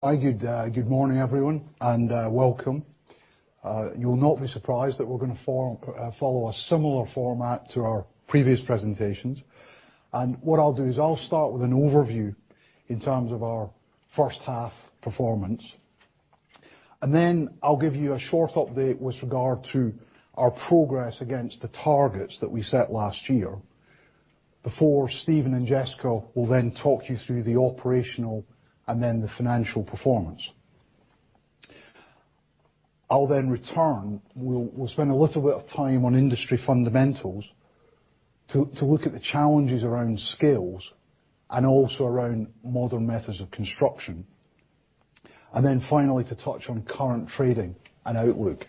Hi, good morning everyone, and welcome. You will not be surprised that we're going to follow a similar format to our previous presentations. What I'll do is I'll start with an overview in terms of our first half performance. Then I'll give you a short update with regard to our progress against the targets that we set last year, before Steven and Jessica will then talk you through the operational and then the financial performance. I'll return. We'll spend a little bit of time on industry fundamentals to look at the challenges around skills and also around modern methods of construction. Finally, to touch on current trading and outlook.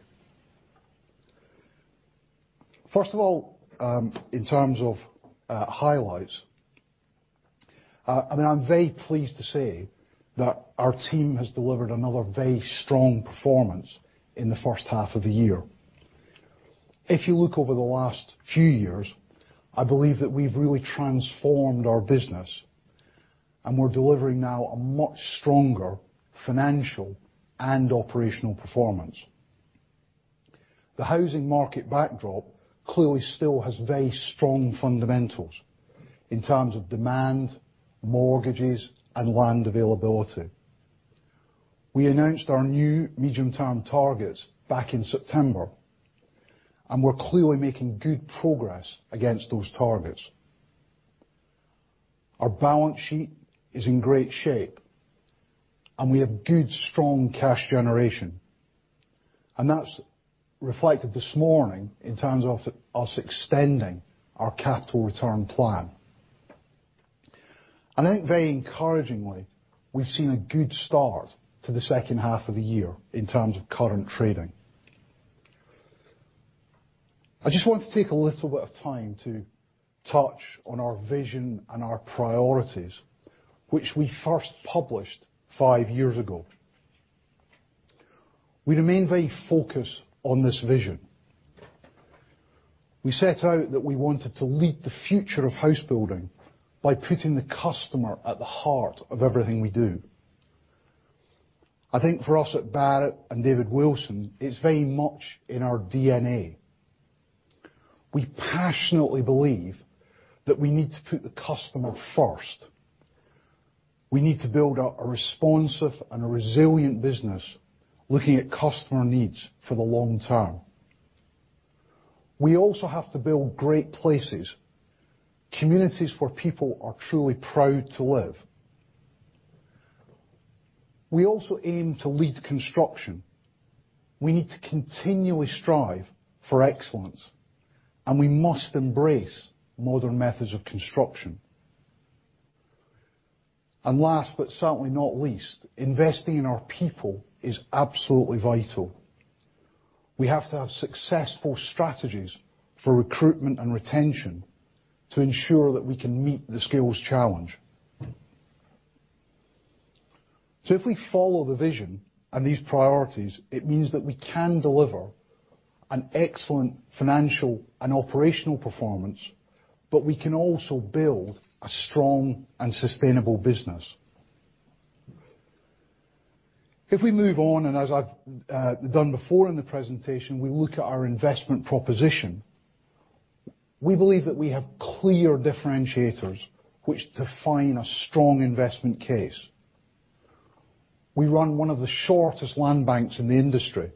First of all, in terms of highlights, I'm very pleased to say that our team has delivered another very strong performance in the first half of the year. If you look over the last few years, I believe that we've really transformed our business, we're delivering now a much stronger financial and operational performance. The housing market backdrop clearly still has very strong fundamentals in terms of demand, mortgages, and land availability. We announced our new medium-term targets back in September, we're clearly making good progress against those targets. Our balance sheet is in great shape, we have good, strong cash generation, that's reflected this morning in terms of us extending our capital return plan. I think very encouragingly, we've seen a good start to the second half of the year in terms of current trading. I just want to take a little bit of time to touch on our vision and our priorities, which we first published five years ago. We remain very focused on this vision. We set out that we wanted to lead the future of house building by putting the customer at the heart of everything we do. I think for us at Barratt and David Wilson, it's very much in our DNA. We passionately believe that we need to put the customer first. We need to build a responsive and a resilient business, looking at customer needs for the long term. We also have to build great places, communities where people are truly proud to live. We also aim to lead construction. We need to continually strive for excellence, we must embrace modern methods of construction. Last, but certainly not least, investing in our people is absolutely vital. We have to have successful strategies for recruitment and retention to ensure that we can meet the skills challenge. If we follow the vision and these priorities, it means that we can deliver an excellent financial and operational performance, but we can also build a strong and sustainable business. If we move on, as I've done before in the presentation, we look at our investment proposition. We believe that we have clear differentiators which define a strong investment case. We run one of the shortest land banks in the industry.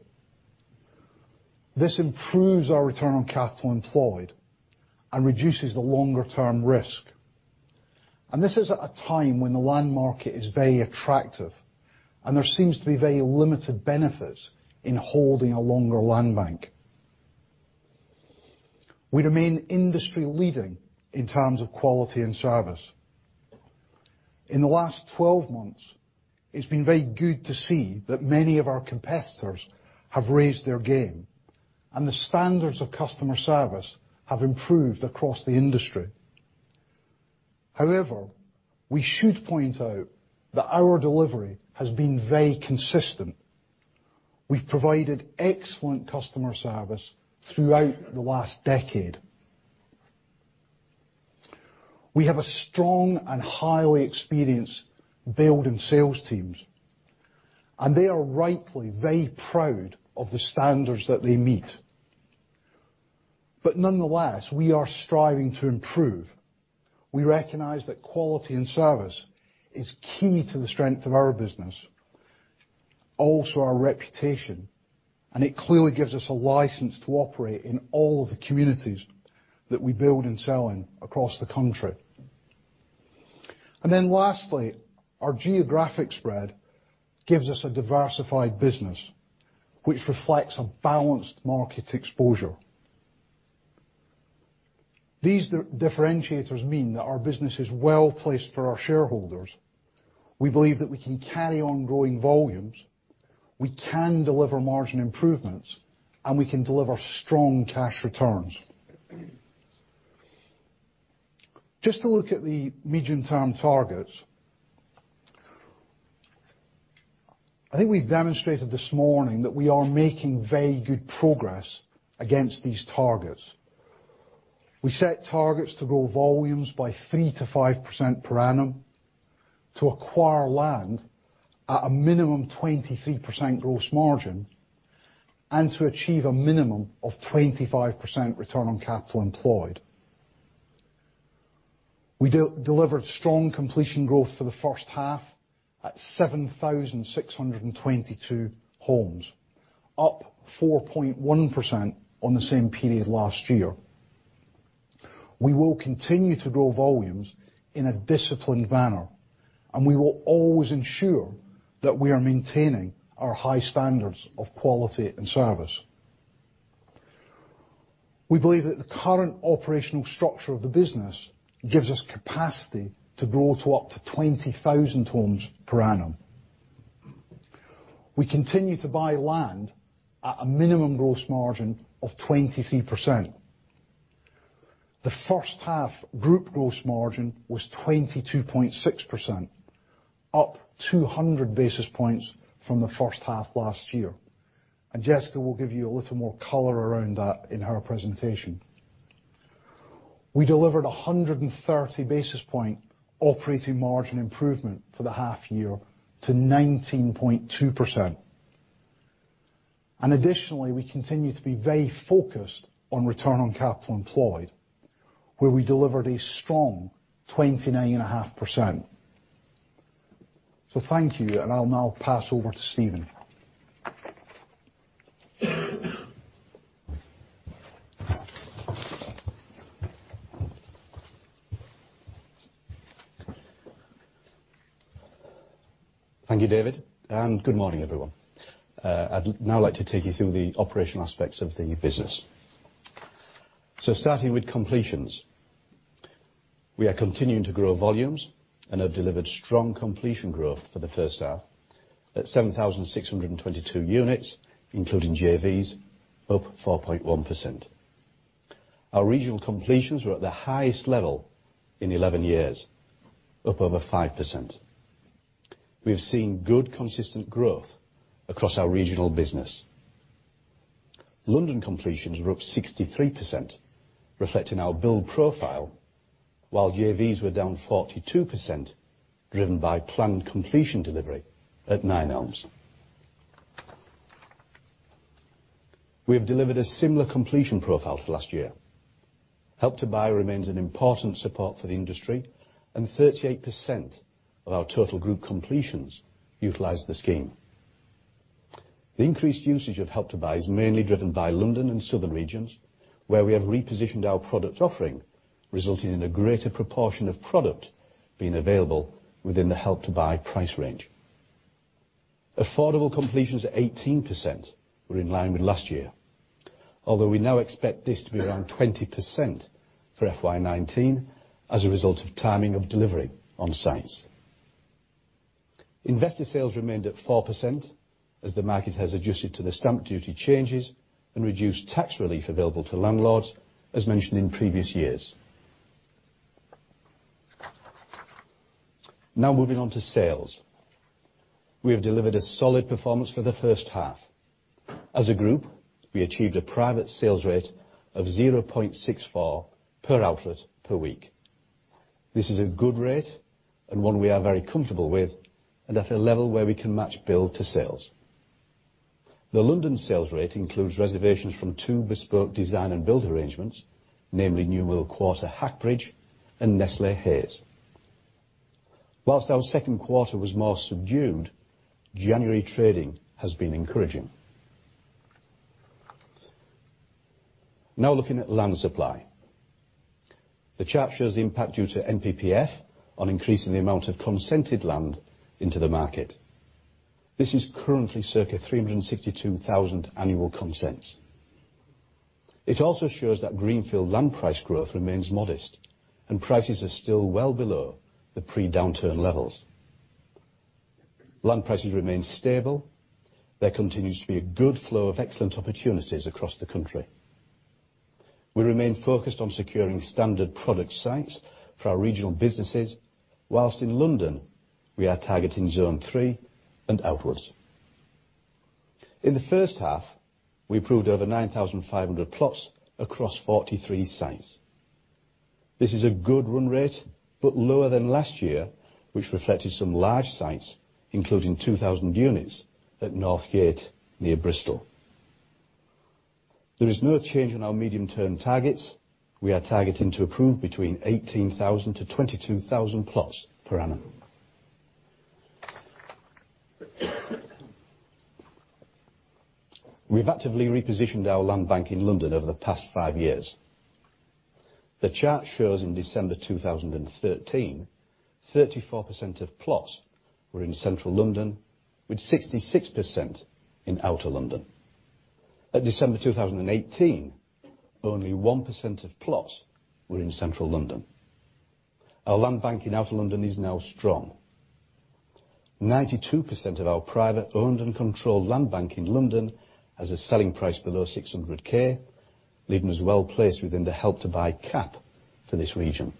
This improves our return on capital employed and reduces the longer term risk. This is at a time when the land market is very attractive, there seems to be very limited benefits in holding a longer land bank. We remain industry leading in terms of quality and service. In the last 12 months, it's been very good to see that many of our competitors have raised their game, and the standards of customer service have improved across the industry. However, we should point out that our delivery has been very consistent. We've provided excellent customer service throughout the last decade. We have a strong and highly experienced build and sales teams, and they are rightly very proud of the standards that they meet. Nonetheless, we are striving to improve. We recognize that quality and service is key to the strength of our business, also our reputation, and it clearly gives us a license to operate in all of the communities that we build and sell in across the country. Lastly, our geographic spread gives us a diversified business which reflects a balanced market exposure. These differentiators mean that our business is well-placed for our shareholders. We believe that we can carry on growing volumes, we can deliver margin improvements, and we can deliver strong cash returns. Just to look at the medium-term targets. I think we've demonstrated this morning that we are making very good progress against these targets. We set targets to grow volumes by 3%-5% per annum, to acquire land at a minimum 23% gross margin, and to achieve a minimum of 25% return on capital employed. We delivered strong completion growth for the first half at 7,622 homes, up 4.1% on the same period last year. We will continue to grow volumes in a disciplined manner, and we will always ensure that we are maintaining our high standards of quality and service. We believe that the current operational structure of the business gives us capacity to grow to up to 20,000 homes per annum. We continue to buy land at a minimum gross margin of 23%. The first half group gross margin was 22.6%, up 200 basis points from the first half last year, and Jessica will give you a little more color around that in her presentation. We delivered 130 basis point operating margin improvement for the half year to 19.2%. Additionally, we continue to be very focused on return on capital employed, where we delivered a strong 29.5%. Thank you, and I'll now pass over to Steven. Thank you, David, and good morning, everyone. I'd now like to take you through the operational aspects of the business. Starting with completions, we are continuing to grow volumes and have delivered strong completion growth for the first half at 7,622 units, including JVs, up 4.1%. Our regional completions were at the highest level in 11 years, up over 5%. We have seen good, consistent growth across our regional business. London completions were up 63%, reflecting our build profile, while JVs were down 42%, driven by planned completion delivery at Nine Elms. We have delivered a similar completion profile to last year. Help to Buy remains an important support for the industry, and 38% of our total group completions utilized the scheme. The increased usage of Help to Buy is mainly driven by London and southern regions, where we have repositioned our product offering, resulting in a greater proportion of product being available within the Help to Buy price range. Affordable completions at 18% were in line with last year. Although we now expect this to be around 20% for FY 2019 as a result of timing of delivery on sites. Investor sales remained at 4% as the market has adjusted to the stamp duty changes and reduced tax relief available to landlords, as mentioned in previous years. Now, moving on to sales. We have delivered a solid performance for the first half. As a group, we achieved a private sales rate of 0.64 per outlet per week. This is a good rate, and one we are very comfortable with, and at a level where we can match build to sales. The London sales rate includes reservations from two bespoke design and build arrangements, namely New Mill Quarter Hackbridge and Nestlé Hayes. Whilst our second quarter was more subdued, January trading has been encouraging. Now, looking at land supply. The chart shows the impact due to NPPF on increasing the amount of consented land into the market. This is currently circa 362,000 annual consents. It also shows that greenfield land price growth remains modest and prices are still well below the pre-downturn levels. Land prices remain stable. There continues to be a good flow of excellent opportunities across the country. We remain focused on securing standard product sites for our regional businesses, whilst in London, we are targeting Zone 3 and outwards. In the first half, we approved over 9,500 plots across 43 sites. This is a good run rate, but lower than last year, which reflected some large sites, including 2,000 units at Northgate near Bristol. There is no change in our medium-term targets. We are targeting to approve between 18,000-22,000 plots per annum. We've actively repositioned our land bank in London over the past five years. The chart shows in December 2013, 34% of plots were in Central London, with 66% in Outer London. At December 2018, only 1% of plots were in Central London. Our land bank in Outer London is now strong. 92% of our private-owned and controlled land bank in London has a selling price below 600,000, leaving us well placed within the Help to Buy cap for this region.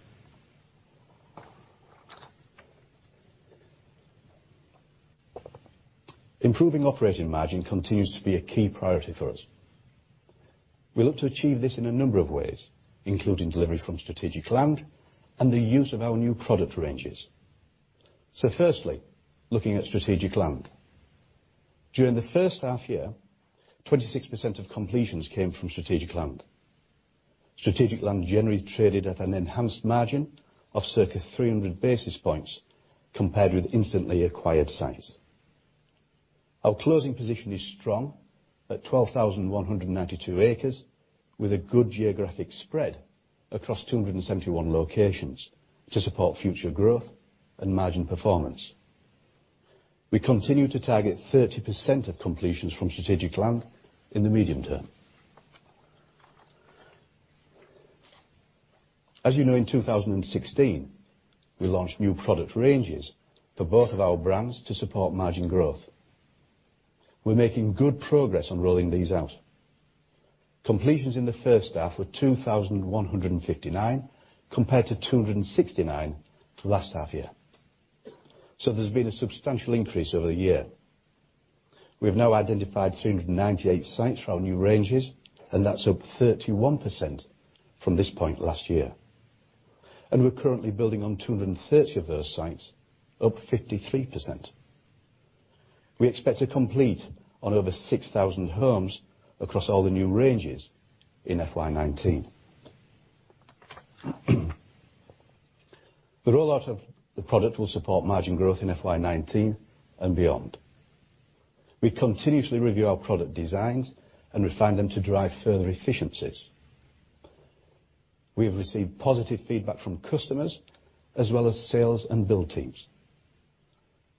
Improving operating margin continues to be a key priority for us. We look to achieve this in a number of ways, including delivery from strategic land and the use of our new product ranges. Firstly, looking at strategic land. During the first half year, 26% of completions came from strategic land. Strategic land generally traded at an enhanced margin of circa 300 basis points compared with instantly acquired sites. Our closing position is strong at 12,192 acres, with a good geographic spread across 271 locations to support future growth and margin performance. We continue to target 30% of completions from strategic land in the medium term. As you know, in 2016, we launched new product ranges for both of our brands to support margin growth. We're making good progress on rolling these out. Completions in the first half were 2,159 compared to 269 for last half year. There's been a substantial increase over the year. We have now identified 398 sites for our new ranges, that's up 31% from this point last year. We're currently building on 230 of those sites, up 53%. We expect to complete on over 6,000 homes across all the new ranges in FY 2019. The rollout of the product will support margin growth in FY 2019 and beyond. We continuously review our product designs and refine them to drive further efficiencies. We have received positive feedback from customers as well as sales and build teams.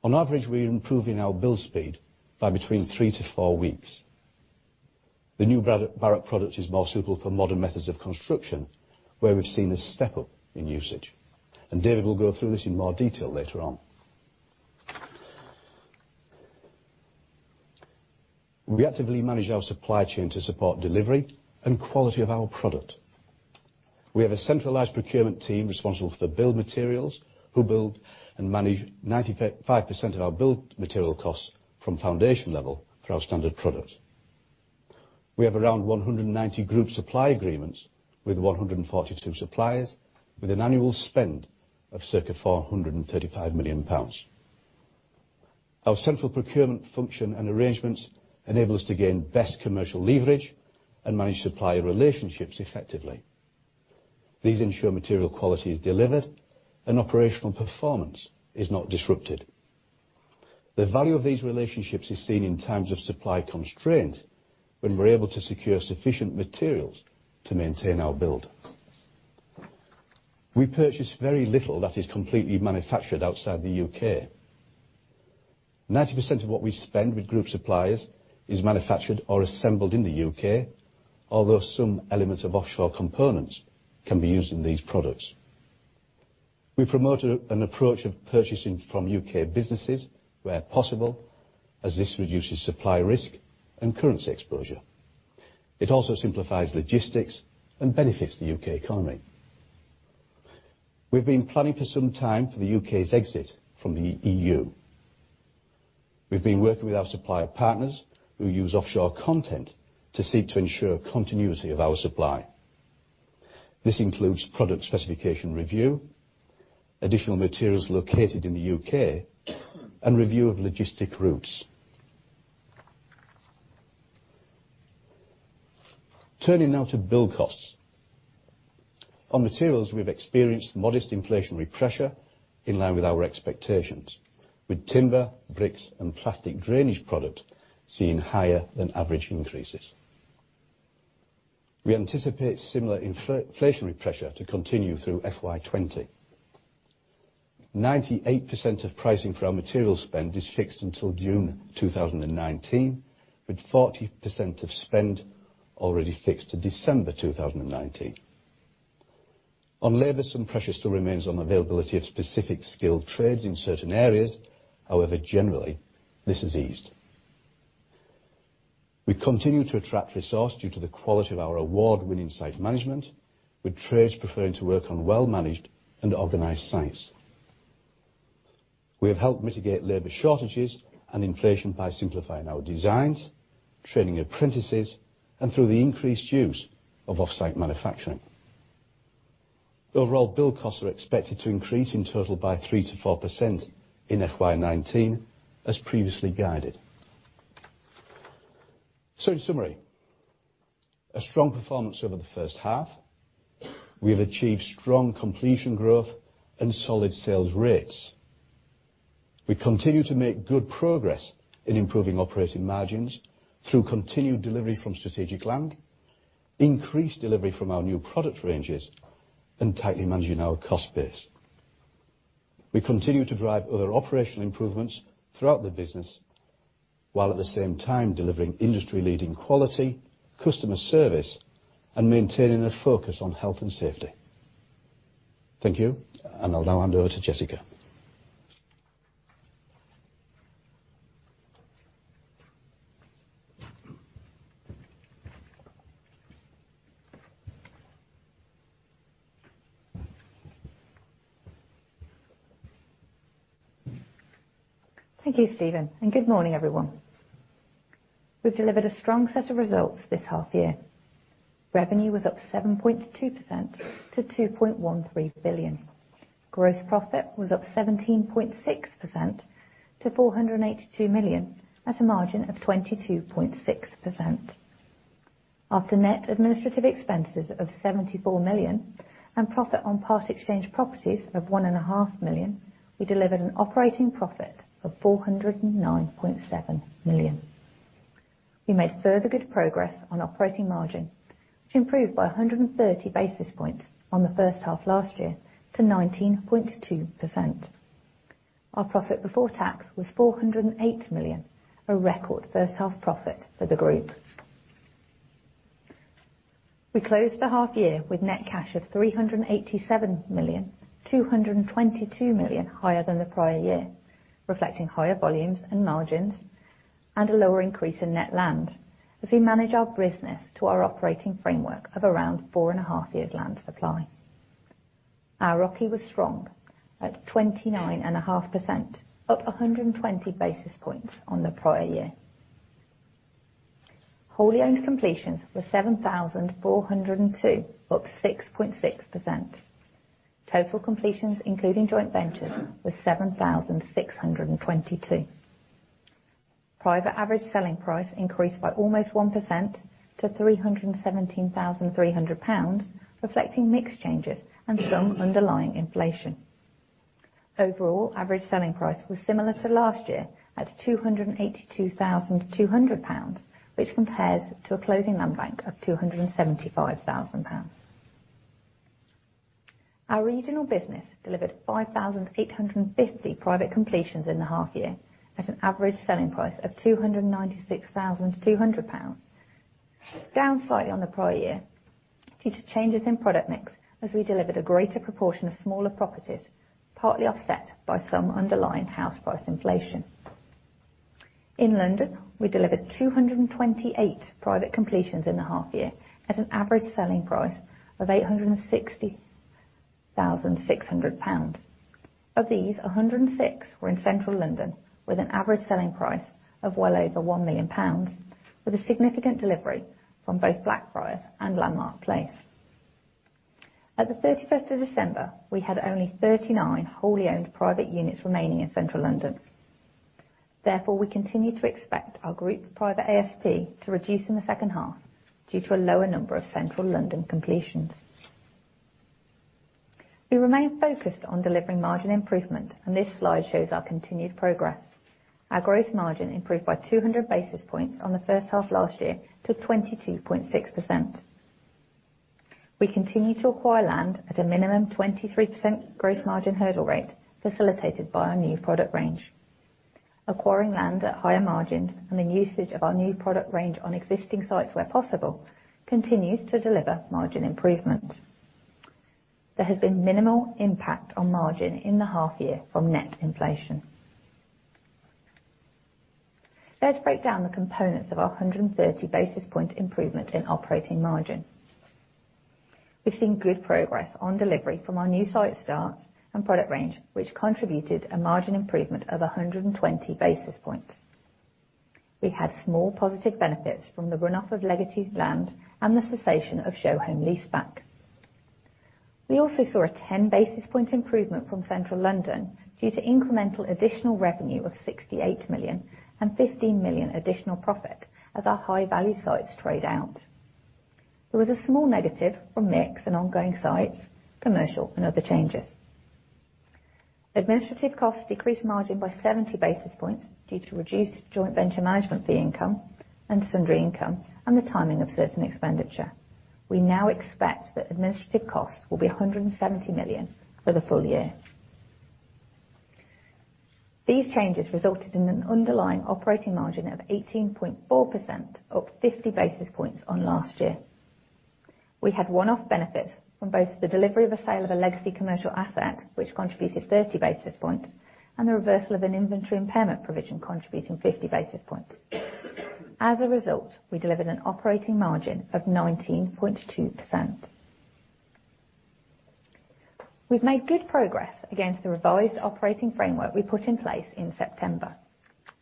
On average, we are improving our build speed by between three to four weeks. The new Barratt product is more suitable for modern methods of construction, where we've seen a step up in usage, David will go through this in more detail later on. We actively manage our supply chain to support delivery and quality of our product. We have a centralized procurement team responsible for build materials, who build and manage 95% of our build material costs from foundation level for our standard product. We have around 190 group supply agreements with 142 suppliers, with an annual spend of circa 435 million pounds. Our central procurement function and arrangements enable us to gain best commercial leverage and manage supplier relationships effectively. These ensure material quality is delivered and operational performance is not disrupted. The value of these relationships is seen in times of supply constraint when we're able to secure sufficient materials to maintain our build. We purchase very little that is completely manufactured outside the U.K. 90% of what we spend with group suppliers is manufactured or assembled in the U.K., although some elements of offshore components can be used in these products. We promote an approach of purchasing from U.K. businesses where possible as this reduces supply risk and currency exposure. It also simplifies logistics and benefits the U.K. economy. We've been planning for some time for the U.K.'s exit from the E.U. We've been working with our supplier partners who use offshore content to seek to ensure continuity of our supply. This includes product specification review, additional materials located in the U.K., and review of logistic routes. Turning now to build costs. On materials, we've experienced modest inflationary pressure in line with our expectations with timber, bricks, and plastic drainage products seeing higher than average increases. We anticipate similar inflationary pressure to continue through FY 2020. 98% of pricing for our material spend is fixed until June 2019, with 40% of spend already fixed to December 2019. On labor, some pressure still remains on availability of specific skilled trades in certain areas. However, generally, this has eased. We continue to attract resource due to the quality of our award-winning site management with trades preferring to work on well-managed and organized sites. We have helped mitigate labor shortages and inflation by simplifying our designs, training apprentices, and through the increased use of offsite manufacturing. Overall, build costs are expected to increase in total by 3%-4% in FY 2019 as previously guided. In summary, a strong performance over the first half. We have achieved strong completion growth and solid sales rates. We continue to make good progress in improving operating margins through continued delivery from strategic land, increased delivery from our new product ranges, and tightly managing our cost base. We continue to drive other operational improvements throughout the business, while at the same time delivering industry-leading quality, customer service, and maintaining a focus on health and safety. Thank you, I'll now hand over to Jessica. Thank you, Steven. Good morning, everyone. We've delivered a strong set of results this half year. Revenue was up 7.2% to 2.13 billion. Gross profit was up 17.6% to 482 million at a margin of 22.6%. After net administrative expenses of 74 million and profit on part exchange properties of one and a half million, we delivered an operating profit of 409.7 million. We made further good progress on operating margin, which improved by 130 basis points on the first half last year to 19.2%. Our profit before tax was 408 million, a record first half profit for the group. We closed the half year with net cash of 387 million, 222 million higher than the prior year, reflecting higher volumes and margins, a lower increase in net land as we manage our business to our operating framework of around four and a half years' land supply. Our ROCE was strong at 29.5%, up 120 basis points on the prior year. Wholly owned completions were 7,402, up 6.6%. Total completions including joint ventures was 7,622. Private average selling price increased by almost 1% to 317,300 pounds, reflecting mix changes and some underlying inflation. Overall, average selling price was similar to last year at 282,200 pounds, which compares to a closing land bank of 275,000 pounds. Our regional business delivered 5,850 private completions in the half year at an average selling price of 296,200 pounds, down slightly on the prior year due to changes in product mix as we delivered a greater proportion of smaller properties, partly offset by some underlying house price inflation. In London, we delivered 228 private completions in the half year at an average selling price of 860,600 pounds. Of these, 106 were in central London with an average selling price of well over 1 million pounds with a significant delivery from both Blackfriars and Landmark Place. At the 31st of December, we had only 39 wholly owned private units remaining in central London. Therefore, we continue to expect our group private ASP to reduce in the second half due to a lower number of central London completions. We remain focused on delivering margin improvement. This slide shows our continued progress. Our growth margin improved by 200 basis points on the first half last year to 22.6%. We continue to acquire land at a minimum 23% growth margin hurdle rate facilitated by our new product range. Acquiring land at higher margins, usage of our new product range on existing sites where possible continues to deliver margin improvement. There has been minimal impact on margin in the half year from net inflation. Let's break down the components of our 130 basis point improvement in operating margin. We've seen good progress on delivery from our new site starts and product range, which contributed a margin improvement of 120 basis points. We had small positive benefits from the runoff of legacy land and the cessation of show home lease back. We also saw a 10 basis point improvement from central London due to incremental additional revenue of 68 million and 15 million additional profit as our high-value sites trade out. There was a small negative from mix in ongoing sites, commercial, and other changes. Administrative costs decreased margin by 70 basis points due to reduced joint venture management fee income and sundry income and the timing of certain expenditure. We now expect that administrative costs will be 170 million for the full year. These changes resulted in an underlying operating margin of 18.4%, up 50 basis points on last year. We had one-off benefit from both the delivery of the sale of a legacy commercial asset, which contributed 30 basis points, and the reversal of an inventory impairment provision contributing 50 basis points. As a result, we delivered an operating margin of 19.2%. We've made good progress against the revised operating framework we put in place in September.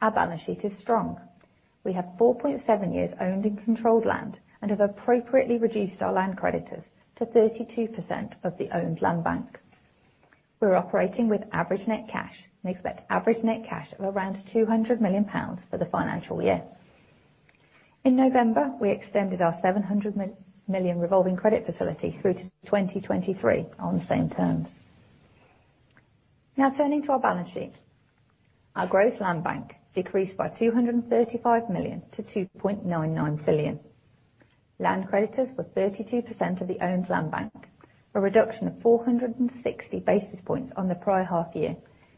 Our balance sheet is strong. We have 4.7 years owned and controlled land and have appropriately reduced our land creditors to 32% of the owned land bank. We're operating with average net cash and expect average net cash of around 200 million pounds for the financial year. In November, we extended our 700 million revolving credit facility through to 2023 on the same terms. Now turning to our balance sheet. Our gross land bank decreased by 235 million to 2.99 billion. Land creditors were 32% of the owned land bank, a reduction of 460 basis points on the prior half year,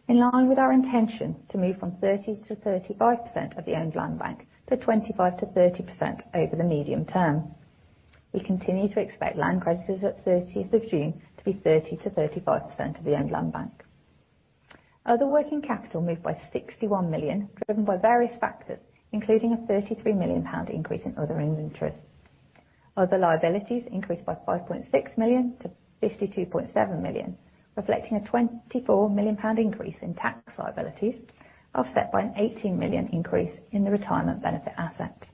in line with our intention to move from 30%-35% of the owned land bank to 25%-30% over the medium term. We continue to expect land creditors at 30th of June to be 30%-35% of the owned land bank. Other working capital moved by 61 million, driven by various factors, including a 33 million pound increase in other inventories. Other liabilities increased by 5.6 million to 52.7 million, reflecting a 24 million pound increase in tax liabilities, offset by an 18 million increase in the retirement benefit asset.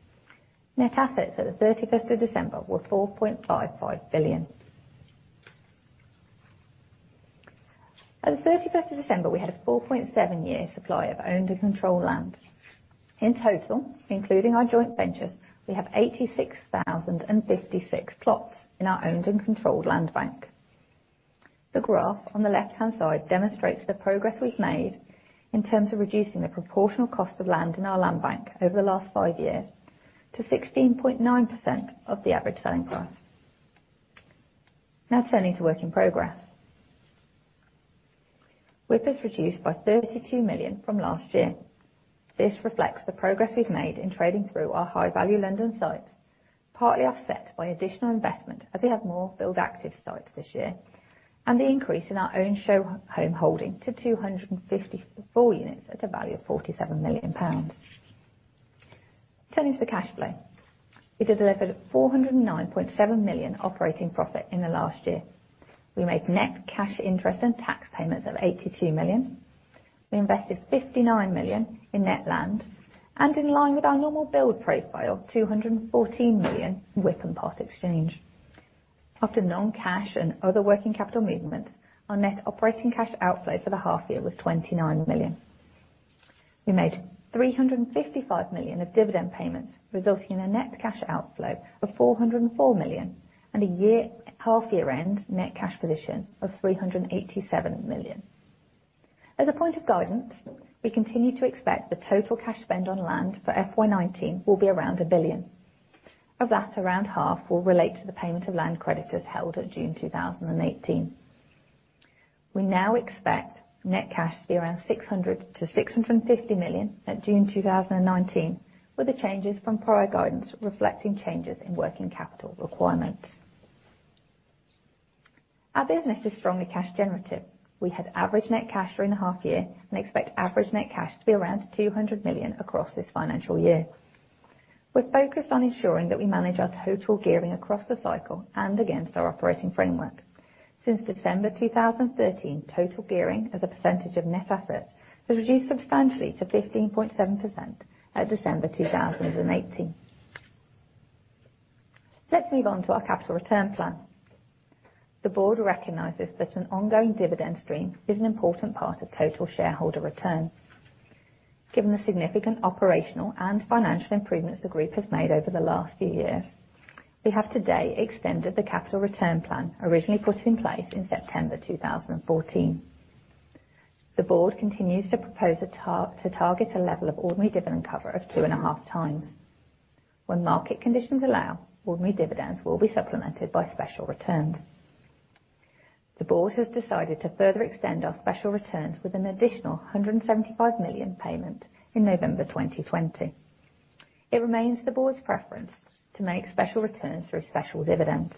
Net assets at the 31st of December were 4.55 billion. At the 31st of December, we had a 4.7 year supply of owned and controlled land. In total, including our joint ventures, we have 86,056 plots in our owned and controlled land bank. The graph on the left-hand side demonstrates the progress we've made in terms of reducing the proportional cost of land in our land bank over the last five years to 16.9% of the average selling price. Now turning to work in progress. WIP has reduced by 32 million from last year. This reflects the progress we've made in trading through our high value land and sites, partly offset by additional investment as we have more build active sites this year, and the increase in our own show home holding to 254 units at a value of 47 million pounds. Turning to the cash flow. We delivered 409.7 million operating profit in the last year. We made net cash interest and tax payments of 82 million. We invested 59 million in net land, and in line with our normal build profile, 214 million WIP and part exchange. After non-cash and other working capital movements, our net operating cash outflow for the half-year was 29 million. We made 355 million of dividend payments, resulting in a net cash outflow of 404 million and a half-year end net cash position of 387 million. As a point of guidance, we continue to expect the total cash spend on land for FY 2019 will be around 1 billion. Of that, around half will relate to the payment of land credits as held at June 2018. We now expect net cash to be around 600 million-650 million at June 2019, with the changes from prior guidance reflecting changes in working capital requirements. Our business is strongly cash generative. We had average net cash during the half-year and expect average net cash to be around 200 million across this financial year. We are focused on ensuring that we manage our total gearing across the cycle and against our operating framework. Since December 2013, total gearing as a percentage of net assets has reduced substantially to 15.7% at December 2018. Let us move on to our capital return plan. The board recognizes that an ongoing dividend stream is an important part of total shareholder return. Given the significant operational and financial improvements the group has made over the last few years, we have today extended the capital return plan originally put in place in September 2014. The board continues to propose to target a level of ordinary dividend cover of 2.5x. When market conditions allow, ordinary dividends will be supplemented by special returns. The board has decided to further extend our special returns with an additional 175 million payment in November 2020. It remains the board's preference to make special returns through special dividends.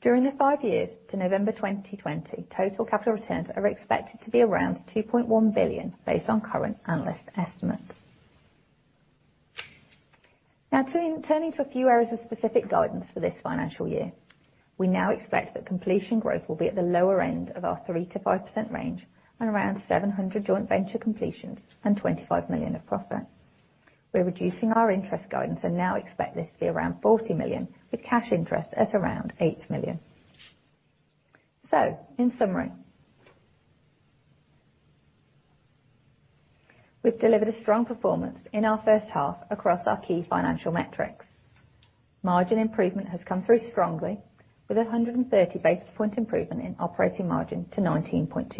During the five years to November 2020, total capital returns are expected to be around 2.1 billion, based on current analyst estimates. Turning to a few areas of specific guidance for this financial year. We now expect that completion growth will be at the lower end of our 3%-5% range on around 700 joint venture completions and 25 million of profit. We are reducing our interest guidance and now expect this to be around 40 million, with cash interest at around 8 million. In summary, we have delivered a strong performance in our first half across our key financial metrics. Margin improvement has come through strongly with 130 basis point improvement in operating margin to 19.2%.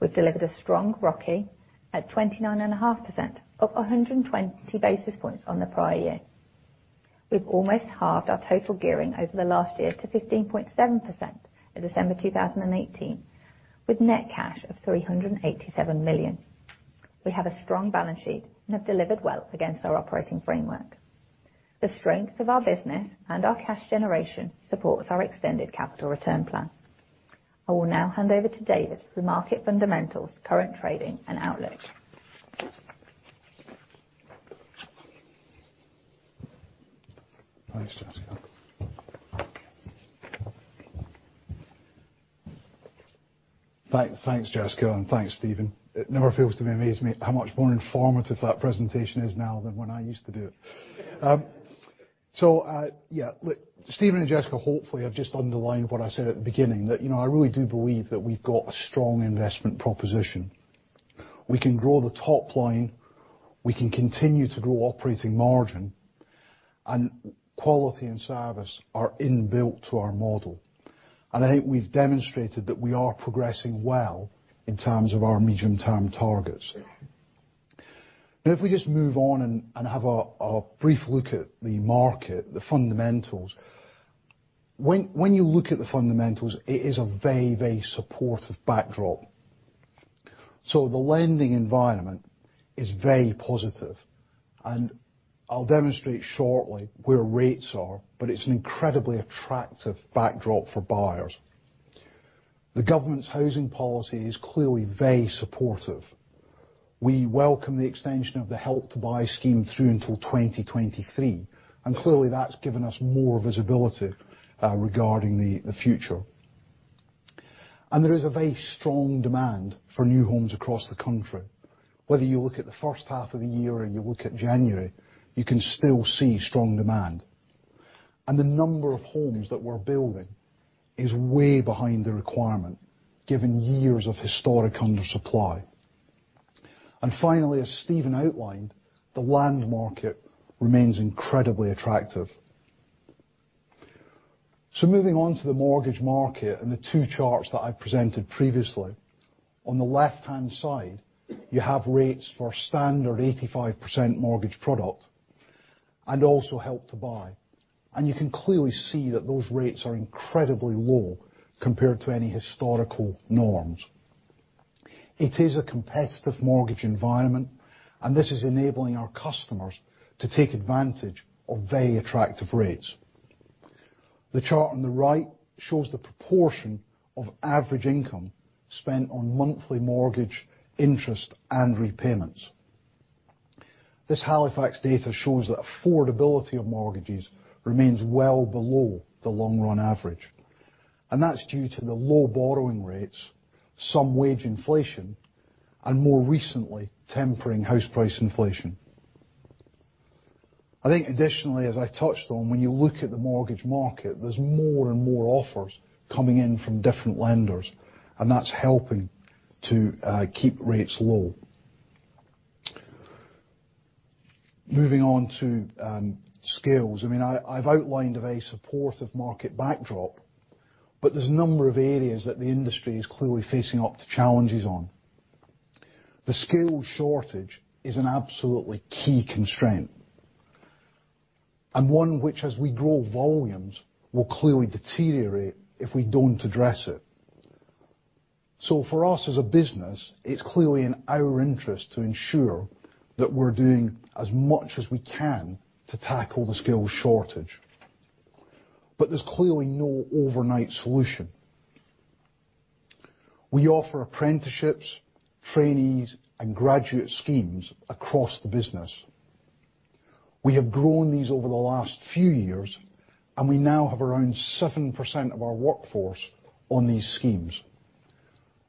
We have delivered a strong ROCE at 29.5%, up 120 basis points on the prior year. We have almost halved our total gearing over the last year to 15.7% at December 2018, with net cash of 387 million. We have a strong balance sheet and have delivered well against our operating framework. The strength of our business and our cash generation supports our extended capital return plan. I will now hand over to David for the market fundamentals, current trading and outlook. Thanks, Jessica. Thanks, Jessica, and thanks, Steven. It never fails to amaze me how much more informative that presentation is now than when I used to do it. Yeah. Steven and Jessica hopefully have just underlined what I said at the beginning, that I really do believe that we've got a strong investment proposition. We can grow the top line, we can continue to grow operating margin, and quality and service are inbuilt to our model and I think we've demonstrated that we are progressing well in terms of our medium term targets. Now if we just move on and have a brief look at the market, the fundamentals. When you look at the fundamentals, it is a very, very supportive backdrop. The lending environment is very positive, and I'll demonstrate shortly where rates are, but it's an incredibly attractive backdrop for buyers. The government's housing policy is clearly very supportive. We welcome the extension of the Help to Buy scheme through until 2023, and clearly that's given us more visibility regarding the future, and there is a very strong demand for new homes across the country. Whether you look at the first half of the year or you look at January, you can still see strong demand. And the number of homes that we're building is way behind the requirement, given years of historic undersupply. Finally, as Steven outlined, the land market remains incredibly attractive. Moving on to the mortgage market and the two charts that I presented previously. On the left-hand side, you have rates for a standard 85% mortgage product and also Help to Buy, and you can clearly see that those rates are incredibly low compared to any historical norms. It is a competitive mortgage environment, and this is enabling our customers to take advantage of very attractive rates. The chart on the right shows the proportion of average income spent on monthly mortgage interest and repayments. This Halifax data shows that affordability of mortgages remains well below the long run average, and that's due to the low borrowing rates, some wage inflation, and more recently, tempering house price inflation. I think additionally, as I touched on, when you look at the mortgage market, there's more and more offers coming in from different lenders, and that's helping to keep rates low. Moving on to skills. I've outlined a very supportive market backdrop, but there's a number of areas that the industry is clearly facing up to challenges on. The skills shortage is an absolutely key constraint, and one which, as we grow volumes, will clearly deteriorate if we don't address it. For us as a business, it's clearly in our interest to ensure that we're doing as much as we can to tackle the skills shortage, but there's clearly no overnight solution. We offer apprenticeships, trainees, and graduate schemes across the business. We have grown these over the last few years, and we now have around 7% of our workforce on these schemes.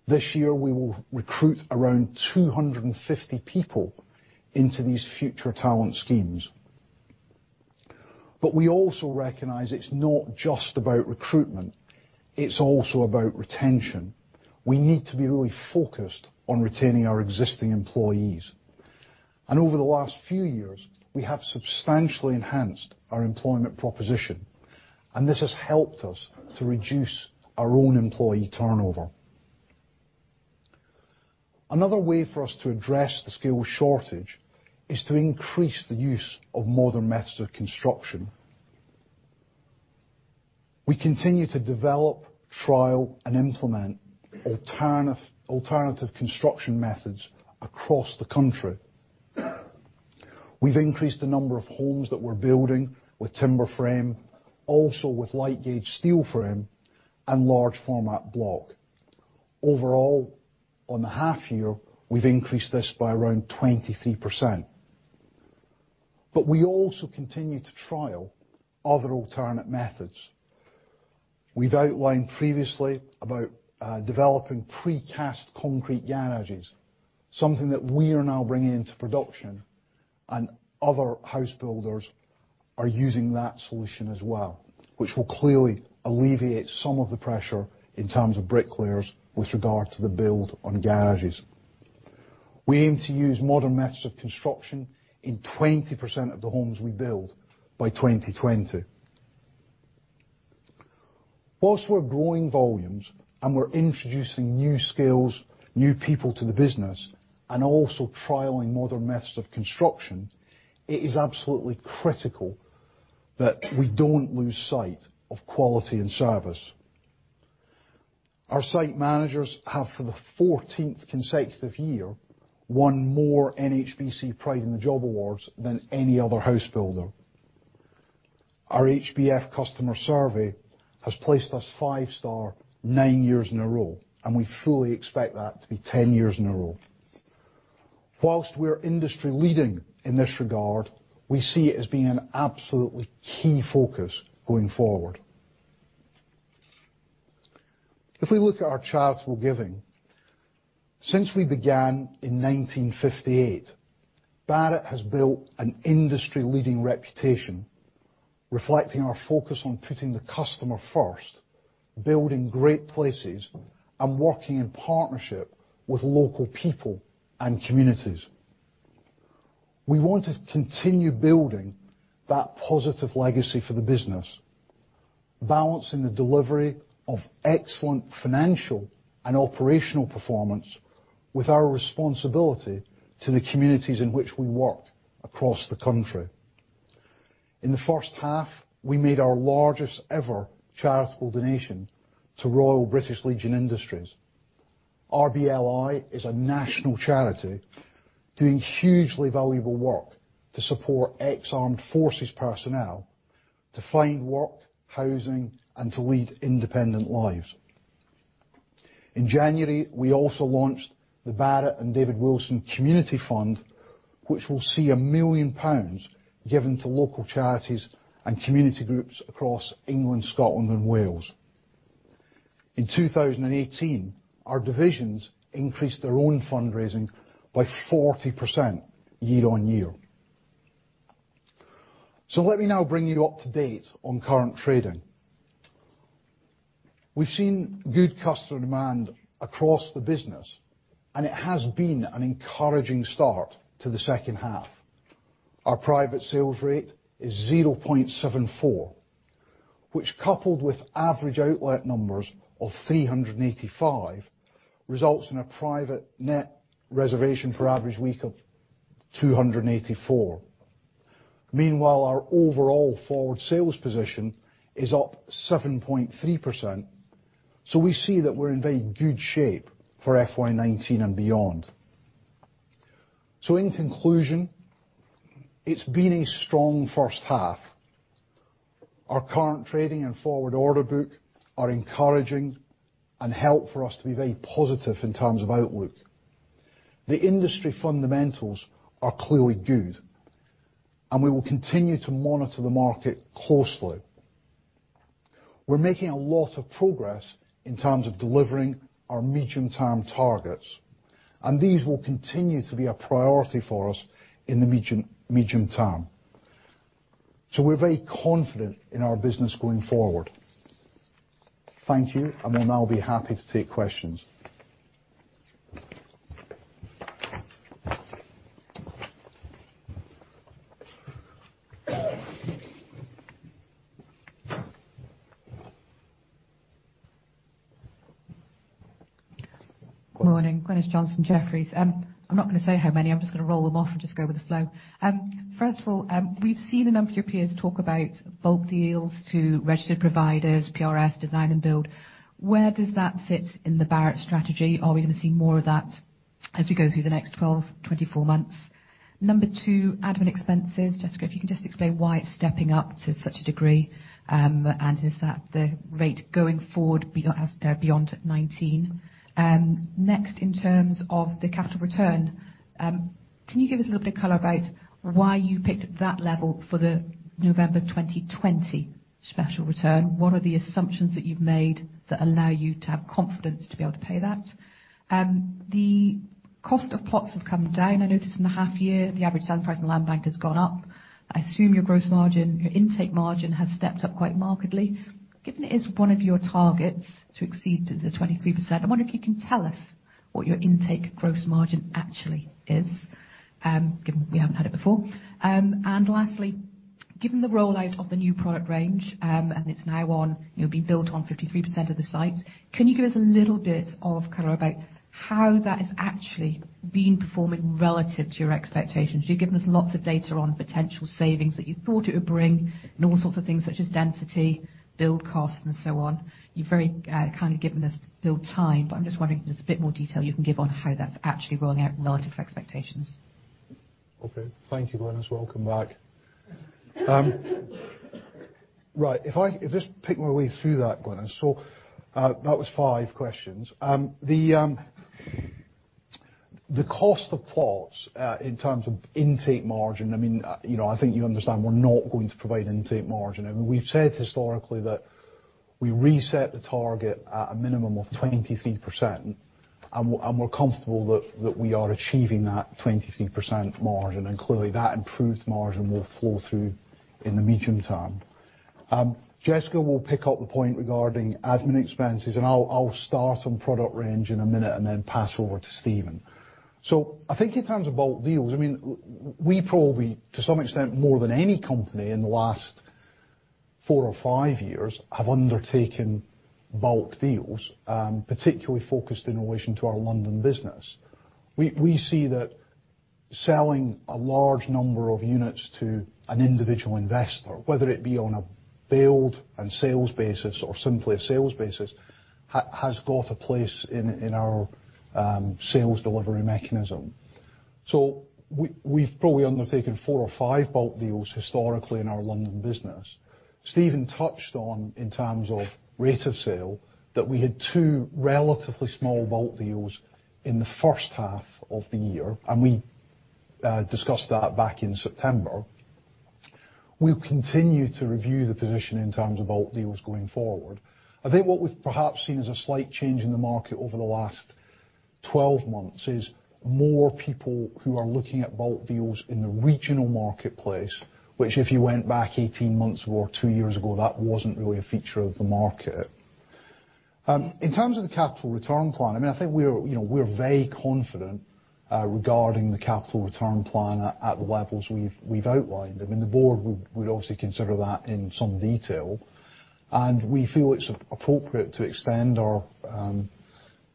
This year, we will recruit around 250 people into these future talent schemes. We also recognize it's not just about recruitment, it's also about retention. We need to be really focused on retaining our existing employees and over the last few years, we have substantially enhanced our employment proposition, and this has helped us to reduce our own employee turnover. Another way for us to address the skills shortage is to increase the use of modern methods of construction. We continue to develop, trial, and implement alternative construction methods across the country. We've increased the number of homes that we're building with timber frame, also with light gauge steel frame and large format block. Overall, on the half year, we've increased this by around 23%. We also continue to trial other alternate methods. We've outlined previously about developing precast concrete garages, something that we are now bringing into production, and other house builders are using that solution as well, which will clearly alleviate some of the pressure in terms of bricklayers with regard to the build on garages. We aim to use modern methods of construction in 20% of the homes we build by 2020. Whilst we're growing volumes and we're introducing new skills, new people to the business, and also trialing modern methods of construction, it is absolutely critical that we don't lose sight of quality and service. Our site managers have, for the 14th consecutive year, won more NHBC Pride in the Job awards than any other house builder. Our HBF customer survey has placed us five star nine years in a row, and we fully expect that to be 10 years in a row. Whilst we are industry leading in this regard, we see it as being an absolutely key focus going forward. If we look at our charitable giving, since we began in 1958, Barratt has built an industry leading reputation reflecting our focus on putting the customer first, building great places, and working in partnership with local people and communities. We want to continue building that positive legacy for the business, balancing the delivery of excellent financial and operational performance with our responsibility to the communities in which we work across the country. In the first half, we made our largest ever charitable donation to Royal British Legion Industries. RBLI is a national charity doing hugely valuable work to support ex-armed forces personnel to find work, housing, and to lead independent lives. In January, we also launched the Barratt and David Wilson Community Fund, which will see 1 million pounds given to local charities and community groups across England, Scotland, and Wales. In 2018, our divisions increased their own fundraising by 40% year-on-year. Let me now bring you up to date on current trading. We've seen good customer demand across the business, and it has been an encouraging start to the second half. Our private sales rate is 0.74, which coupled with average outlet numbers of 385, results in a private net reservation for average week of 284. Meanwhile, our overall forward sales position is up 7.3%, we see that we're in very good shape for FY 2019 and beyond. In conclusion, it's been a strong first half. Our current trading and forward order book are encouraging and help for us to be very positive in terms of outlook. The industry fundamentals are clearly good, and we will continue to monitor the market closely. We're making a lot of progress in terms of delivering our medium-term targets, and these will continue to be a priority for us in the medium-term. We're very confident in our business going forward. Thank you. I will now be happy to take questions. Good morning. Glynis Johnson from Jefferies. I'm not going to say how many. I'm just going to roll them off and just go with the flow. First of all, we've seen a number of your peers talk about bulk deals to registered providers, PRS design and build. Where does that fit in the Barratt strategy? Are we going to see more of that as we go through the next 12, 24 months? Number two, admin expenses. Jessica, if you can just explain why it's stepping up to such a degree, and is that the rate going forward beyond 2019? In terms of the capital return, can you give us a little bit of color about why you picked that level for the November 2020 special return? What are the assumptions that you've made that allow you to have confidence to be able to pay that? The cost of plots have come down. I noticed in the half year the average selling price in the land bank has gone up. I assume your gross margin, your intake margin, has stepped up quite markedly. Given it is one of your targets to exceed to the 23%, I wonder if you can tell us what your intake gross margin actually is, given we haven't had it before. Lastly, given the rollout of the new product range, and it's now on, it'll be built on 53% of the sites, can you give us a little bit of color about how that has actually been performing relative to your expectations? You've given us lots of data on potential savings that you thought it would bring and all sorts of things such as density, build costs, and so on. You've very kindly given us build time. I'm just wondering if there's a bit more detail you can give on how that's actually rolling out relative to expectations. Okay. Thank you, Glynis. Welcome back. Right. If I just pick my way through that, Glynis. That was five questions. The cost of plots in terms of intake margin, I think you understand we're not going to provide intake margin. We've said historically that we reset the target at a minimum of 23%, and we're comfortable that we are achieving that 23% margin. Clearly that improved margin will flow through in the medium term. Jessica will pick up the point regarding admin expenses. I'll start on product range in a minute. Then pass over to Steven. I think in terms of bulk deals, we probably, to some extent more than any company in the last four or five years, have undertaken bulk deals, particularly focused in relation to our London business. We see that selling a large number of units to an individual investor, whether it be on a build and sales basis or simply a sales basis, has got a place in our sales delivery mechanism. We've probably undertaken four or five bulk deals historically in our London business. Steven touched on, in terms of rate of sale, that we had two relatively small bulk deals in the first half of the year, and we discussed that back in September. We'll continue to review the position in terms of bulk deals going forward. I think what we've perhaps seen as a slight change in the market over the last 12 months is more people who are looking at bulk deals in the regional marketplace, which if you went back 18 months or two years ago, that wasn't really a feature of the market. In terms of the capital return plan, I think we're very confident regarding the capital return plan at the levels we've outlined. The board would obviously consider that in some detail, and we feel it's appropriate to extend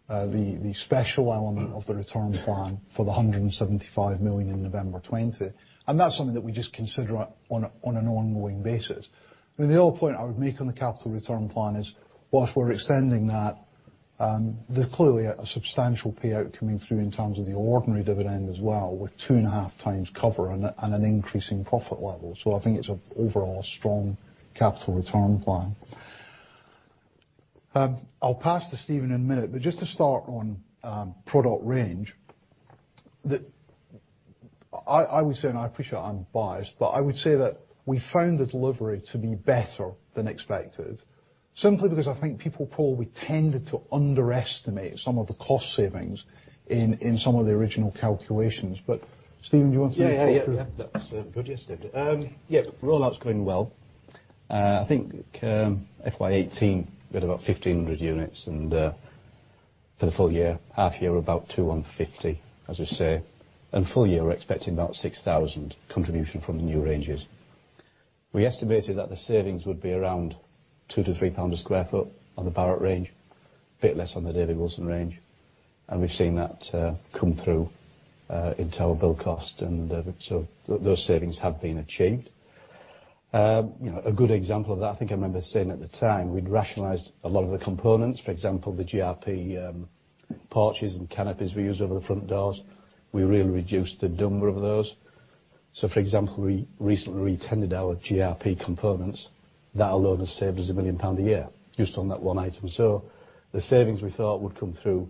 the special element of the return plan for the 175 million in November 2020. That's something that we just consider on an ongoing basis. The other point I would make on the capital return plan is, whilst we're extending that, there's clearly a substantial payout coming through in terms of the ordinary dividend as well, with two and a half times cover and an increasing profit level. I think it's, overall, a strong capital return plan. I'll pass to Steven in a minute, but just to start on product range, I would say, and I appreciate I'm biased, but I would say that we found the delivery to be better than expected, simply because I think people, Paul, we tended to underestimate some of the cost savings in some of the original calculations. Steven, do you want to talk through? That's good. Steven. Roll-out's going well. I think FY 2018, we had about 1,500 units for the full year. Half year, about 250, as we say. Full year, we're expecting about 6,000 contribution from the new ranges. We estimated that the savings would be around 2-3 pounds a square foot on the Barratt range, a bit less on the David Wilson range, and we've seen that come through in total build cost, those savings have been achieved. A good example of that, I think I remember saying at the time, we'd rationalized a lot of the components. For example, the GRP porches and canopies we use over the front doors. We really reduced the number of those. For example, we recently retendered our GRP components. That alone has saved us 1 million pounds a year, just on that one item. The savings we thought would come through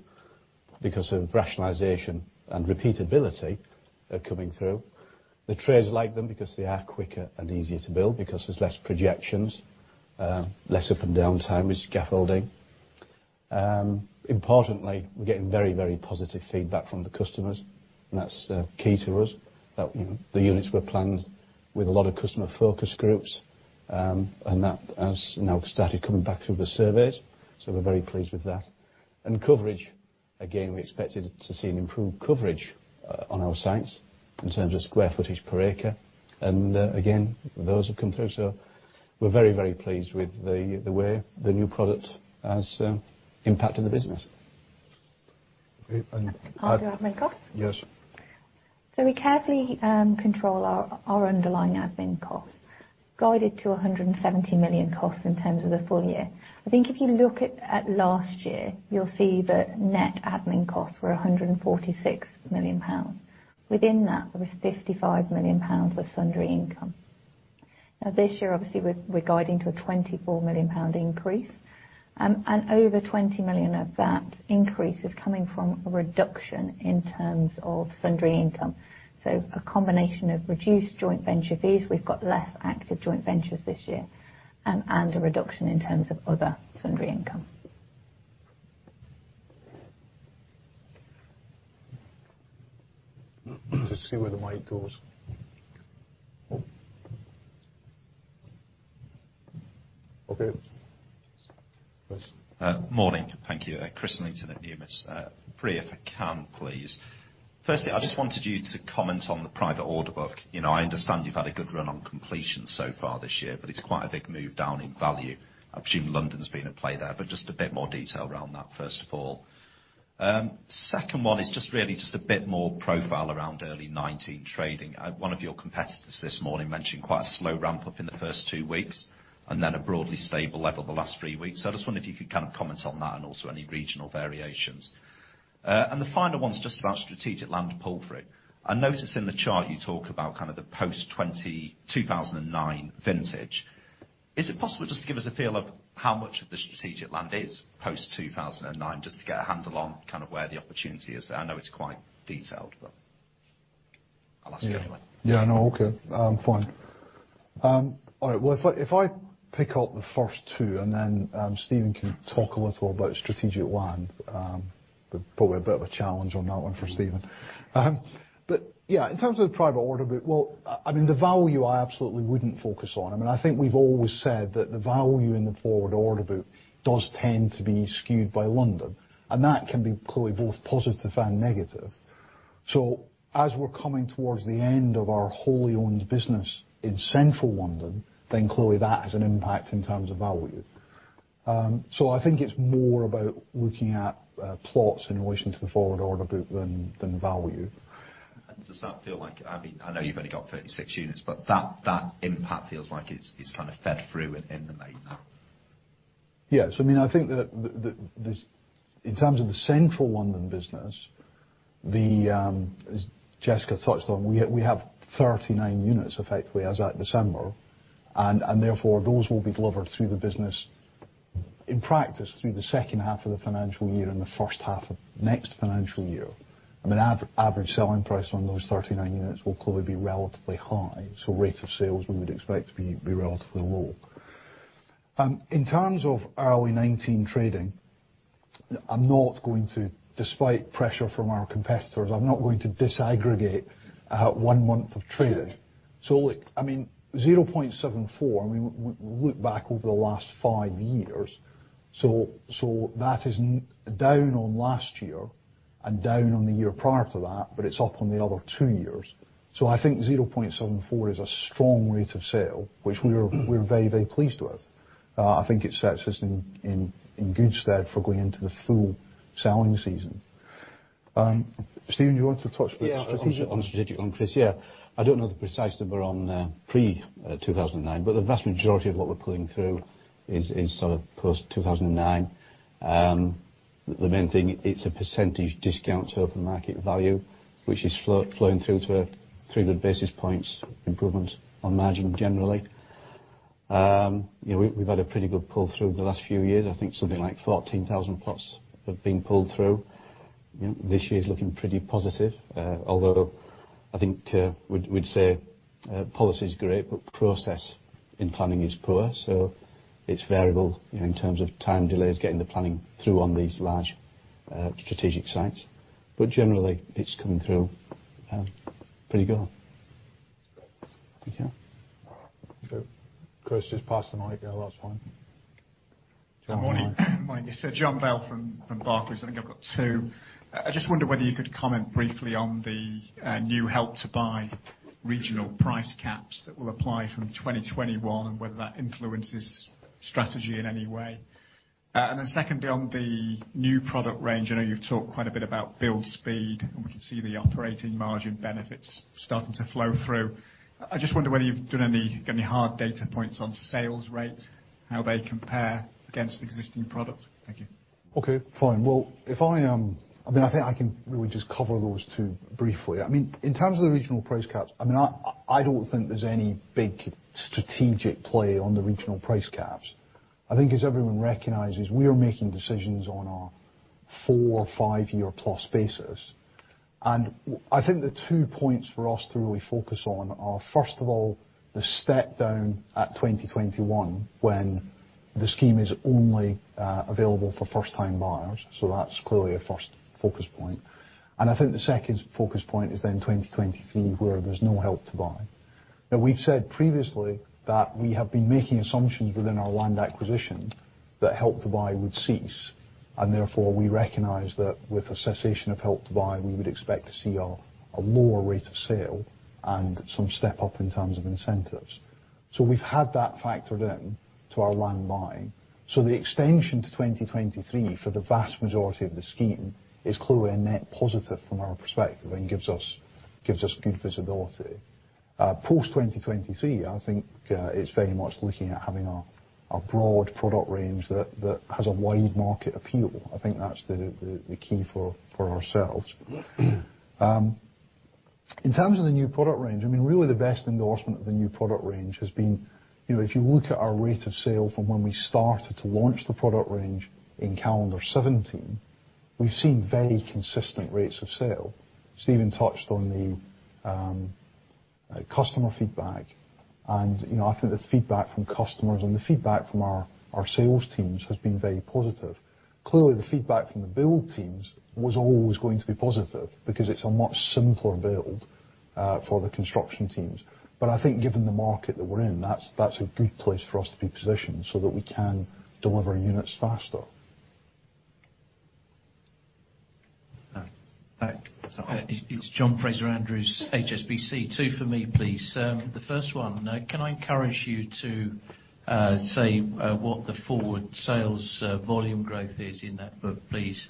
because of rationalization and repeatability are coming through. The trades like them because they are quicker and easier to build because there's less projections, less up and down time with scaffolding. Importantly, we're getting very positive feedback from the customers, and that's key to us. The units were planned with a lot of customer focus groups, that has now started coming back through the surveys. We're very pleased with that. Coverage, again, we expected to see an improved coverage on our sites in terms of square footage per acre. Again, those have come through. We're very pleased with the way the new product has impacted the business. Great. On to admin costs? Yes. We carefully control our underlying admin costs. Guided to 170 million costs in terms of the full year. I think if you look at last year, you'll see that net admin costs were 146 million pounds. Within that, there was 55 million pounds of sundry income. This year, obviously, we're guiding to a 24 million pound increase, Over 20 million of that increase is coming from a reduction in terms of sundry income. A combination of reduced joint venture fees, we've got less active joint ventures this year, and a reduction in terms of other sundry income. Just see where the mic goes. Okay. Chris. Morning. Thank you. Chris Millington at Numis. Three if I can, please. Firstly, I just wanted you to comment on the private order book. I understand you've had a good run on completion so far this year, it's quite a big move down in value. I presume London's been at play there, but just a bit more detail around that, first of all. Second one is just really just a bit more profile around early 2019 trading. One of your competitors this morning mentioned quite a slow ramp-up in the first two weeks, then a broadly stable level the last three weeks. I just wondered if you could comment on that and also any regional variations. The final one's just about strategic land pool. I notice in the chart you talk about kind of the post-2009 vintage. Is it possible just to give us a feel of how much of the strategic land is post-2009, just to get a handle on where the opportunity is there? I know it's quite detailed, but I'll ask anyway. Yeah. No, okay. Fine. All right. Well, if I pick up the first two, then Steven can talk a little about strategic land. Probably a bit of a challenge on that one for Steven. Yeah, in terms of the private order book, well, the value I absolutely wouldn't focus on. I think we've always said that the value in the forward order book does tend to be skewed by London, and that can be clearly both positive and negative. As we're coming towards the end of our wholly owned business in Central London, then clearly that has an impact in terms of value. I think it's more about looking at plots in relation to the forward order group than the value. Does that feel like, I know you've only got 36 units, but that impact feels like it's kind of fed through within the main now. Yeah. I think that in terms of the Central London business, as Jessica touched on, we have 39 units effectively as at December, and therefore, those will be delivered through the business in practice through the second half of the financial year and the first half of next financial year. Average selling price on those 39 units will clearly be relatively high, rate of sales we would expect to be relatively low. In terms of early 2019 trading, despite pressure from our competitors, I'm not going to disaggregate out one month of trading. Look, 0.74, and we look back over the last five years. That is down on last year and down on the year prior to that, but it's up on the other two years. I think 0.74 is a strong rate of sale, which we're very, very pleased with. I think it sets us in good stead for going into the full selling season. Steven, do you want to talk to the strategic. Yeah, on strategic, Chris, yeah. I don't know the precise number on pre-2009, but the vast majority of what we're pulling through is post-2009. The main thing, it's a percentage discount to open market value, which is flowing through to a 300 basis points improvement on margin, generally. We've had a pretty good pull through the last few years. I think something like 14,000+ have been pulled through. This year's looking pretty positive. Although I think we'd say policy's great, but process in planning is poor, so it's variable in terms of time delays getting the planning through on these large strategic sites. Generally, it's coming through pretty good. Thank you. Chris, just pass the mic there. That's fine. Good morning. Morning. It's Jon Bell from Barclays. I think I've got two. I just wonder whether you could comment briefly on the new Help to Buy regional price caps that will apply from 2021 and whether that influences strategy in any way. Secondly, on the new product range, I know you've talked quite a bit about build speed, and we can see the operating margin benefits starting to flow through. I just wonder whether you've got any hard data points on sales rates, how they compare against existing product. Thank you. Okay, fine. I think I can really just cover those two briefly. In terms of the regional price caps, I don't think there's any big strategic play on the regional price caps. I think as everyone recognizes, we are making decisions on a four or five-year plus basis. I think the two points for us to really focus on are, first of all, the step down at 2021, when the scheme is only available for first-time buyers. That's clearly a first focus point. I think the second focus point is then 2023, where there's no Help to Buy. We've said previously that we have been making assumptions within our land acquisition that Help to Buy would cease, and therefore, we recognize that with the cessation of Help to Buy, we would expect to see a lower rate of sale and some step up in terms of incentives. We've had that factored in to our land buying. The extension to 2023 for the vast majority of the scheme is clearly a net positive from our perspective and gives us good visibility. Post 2023, I think it's very much looking at having a broad product range that has a wide market appeal. I think that's the key for ourselves. In terms of the new product range, really the best endorsement of the new product range has been, if you look at our rate of sale from when we started to launch the product range in calendar 2017, we've seen very consistent rates of sale. Steven touched on the customer feedback. I think the feedback from customers and the feedback from our sales teams has been very positive. Clearly, the feedback from the build teams was always going to be positive because it's a much simpler build for the construction teams. But I think given the market that we're in, that's a good place for us to be positioned so that we can deliver units faster. It's John Fraser-Andrews, HSBC. Two for me, please. The first one, can I encourage you to say what the forward sales volume growth is in that book, please?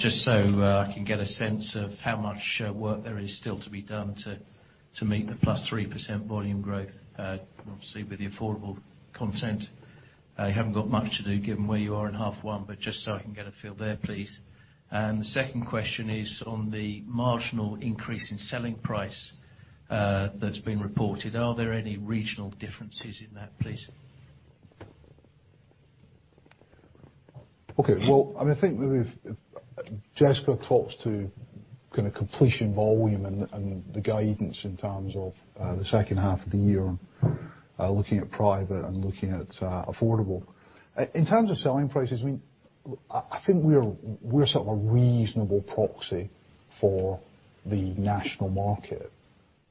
Just so I can get a sense of how much work there is still to be done to meet the +3% volume growth, obviously with the affordable content. You haven't got much to do given where you are in half one, but just so I can get a feel there, please. The second question is on the marginal increase in selling price that's been reported. Are there any regional differences in that, please? Okay. Well, I think Jessica talks to kind of completion volume and the guidance in terms of the second half of the year, looking at private and looking at affordable. In terms of selling prices, I think we're sort of a reasonable proxy for the national market.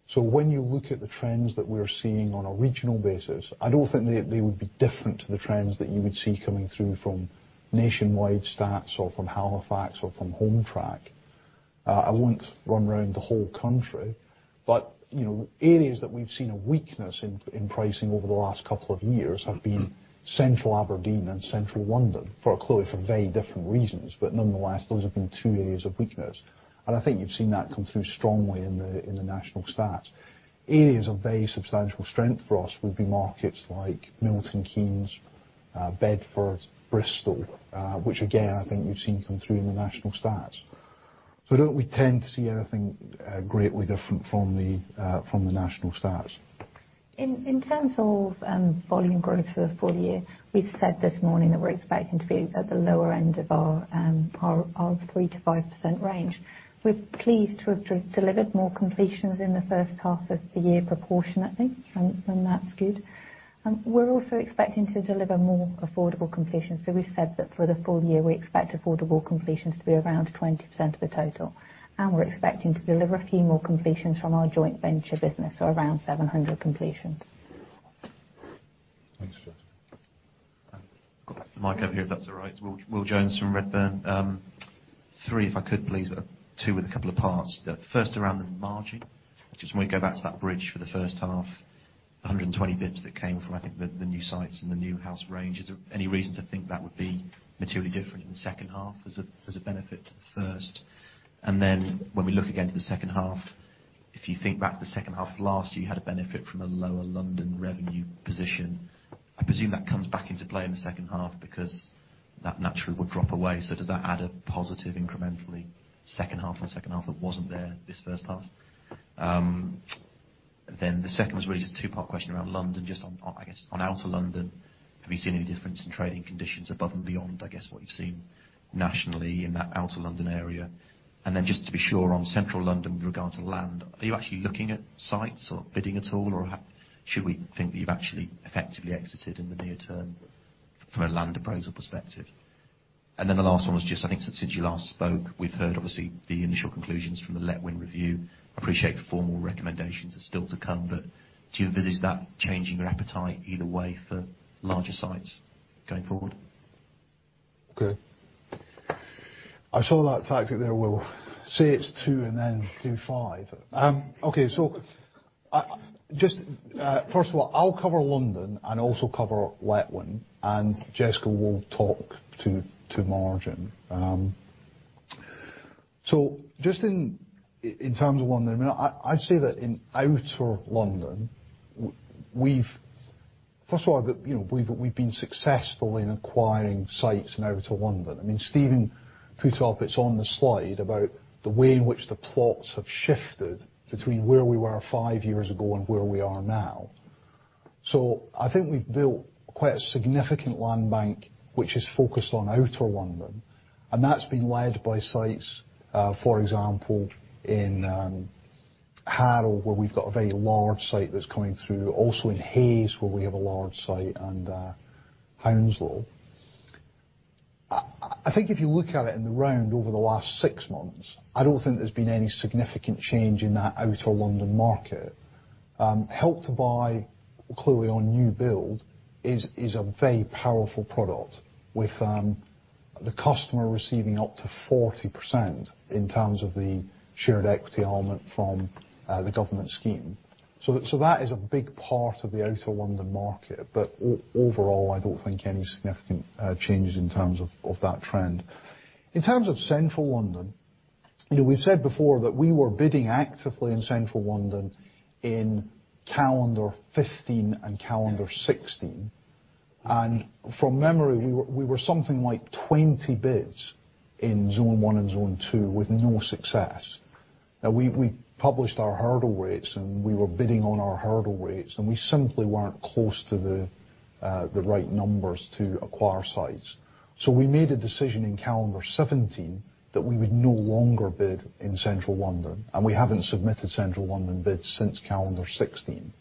So when you look at the trends that we're seeing on a regional basis, I don't think they would be different to the trends that you would see coming through from Nationwide stats or from Halifax or from Hometrack. I won't run around the whole country, but areas that we've seen a weakness in pricing over the last couple of years have been Central Aberdeen and Central London. Clearly for very different reasons, but nonetheless, those have been two areas of weakness. I think you've seen that come through strongly in the national stats. Areas of very substantial strength for us would be markets like Milton Keynes, Bedford, Bristol, which again, I think you've seen come through in the national stats. So I don't think we tend to see anything greatly different from the national stats. In terms of volume growth for the full year, we've said this morning that we're expecting to be at the lower end of our 3%-5% range. We're pleased to have delivered more completions in the first half of the year proportionately, and that's good. We're also expecting to deliver more affordable completions. We've said that for the full year, we expect affordable completions to be around 20% of the total. We're expecting to deliver a few more completions from our joint venture business, so around 700 completions. Thanks, Fraser. I've got the mic over here, if that's all right. It's Will Jones from Redburn. Three, if I could, please, but two with a couple of parts. The first around the margin, I just want to go back to that bridge for the first half, 120 basis points that came from, I think, the new sites and the new house range. Is there any reason to think that would be materially different in the second half as a benefit to the first? When we look again to the second half, if you think back to the second half of last year, you had a benefit from a lower London revenue position. I presume that comes back into play in the second half because that naturally would drop away. Does that add a positive incrementally second half on second half that wasn't there this first half? The second was really just a two-part question around London, just on, I guess, on Outer London, have you seen any difference in trading conditions above and beyond, I guess, what you've seen nationally in that Outer London area? Just to be sure on Central London with regards to land, are you actually looking at sites or bidding at all, or should we think that you've actually effectively exited in the near term from a land appraisal perspective? The last one was just, I think since you last spoke, we've heard obviously the initial conclusions from the Letwin Review. Appreciate the formal recommendations are still to come, do you envisage that changing your appetite either way for larger sites going forward? Okay. I saw that tactic there, Will. Say it's two and then do five. Okay. Just, first of all, I'll cover London and also cover Letwin Review, and Jessica will talk to margin. Just in terms of London, I'd say that in Outer London, first of all, we've been successful in acquiring sites in Outer London. Steven put up, it's on the slide, about the way in which the plots have shifted between where we were five years ago and where we are now. I think we've built quite a significant land bank, which is focused on Outer London, and that's been led by sites, for example, in Harrow, where we've got a very large site that's coming through, also in Hayes, where we have a large site, and Hounslow. I think if you look at it in the round over the last six months, I don't think there's been any significant change in that Outer London market. Help to Buy, clearly on new build, is a very powerful product with the customer receiving up to 40% in terms of the shared equity element from the government scheme. That is a big part of the Outer London market. Overall, I don't think any significant changes in terms of that trend. In terms of Central London, we've said before that we were bidding actively in Central London in calendar 2015 and calendar 2016. From memory, we were something like 20 bids in Zone 1 and Zone 2 with no success. We published our hurdle rates, and we were bidding on our hurdle rates, and we simply weren't close to the right numbers to acquire sites. We made a decision in calendar 2017 that we would no longer bid in Central London, and we haven't submitted Central London bids since calendar 2016.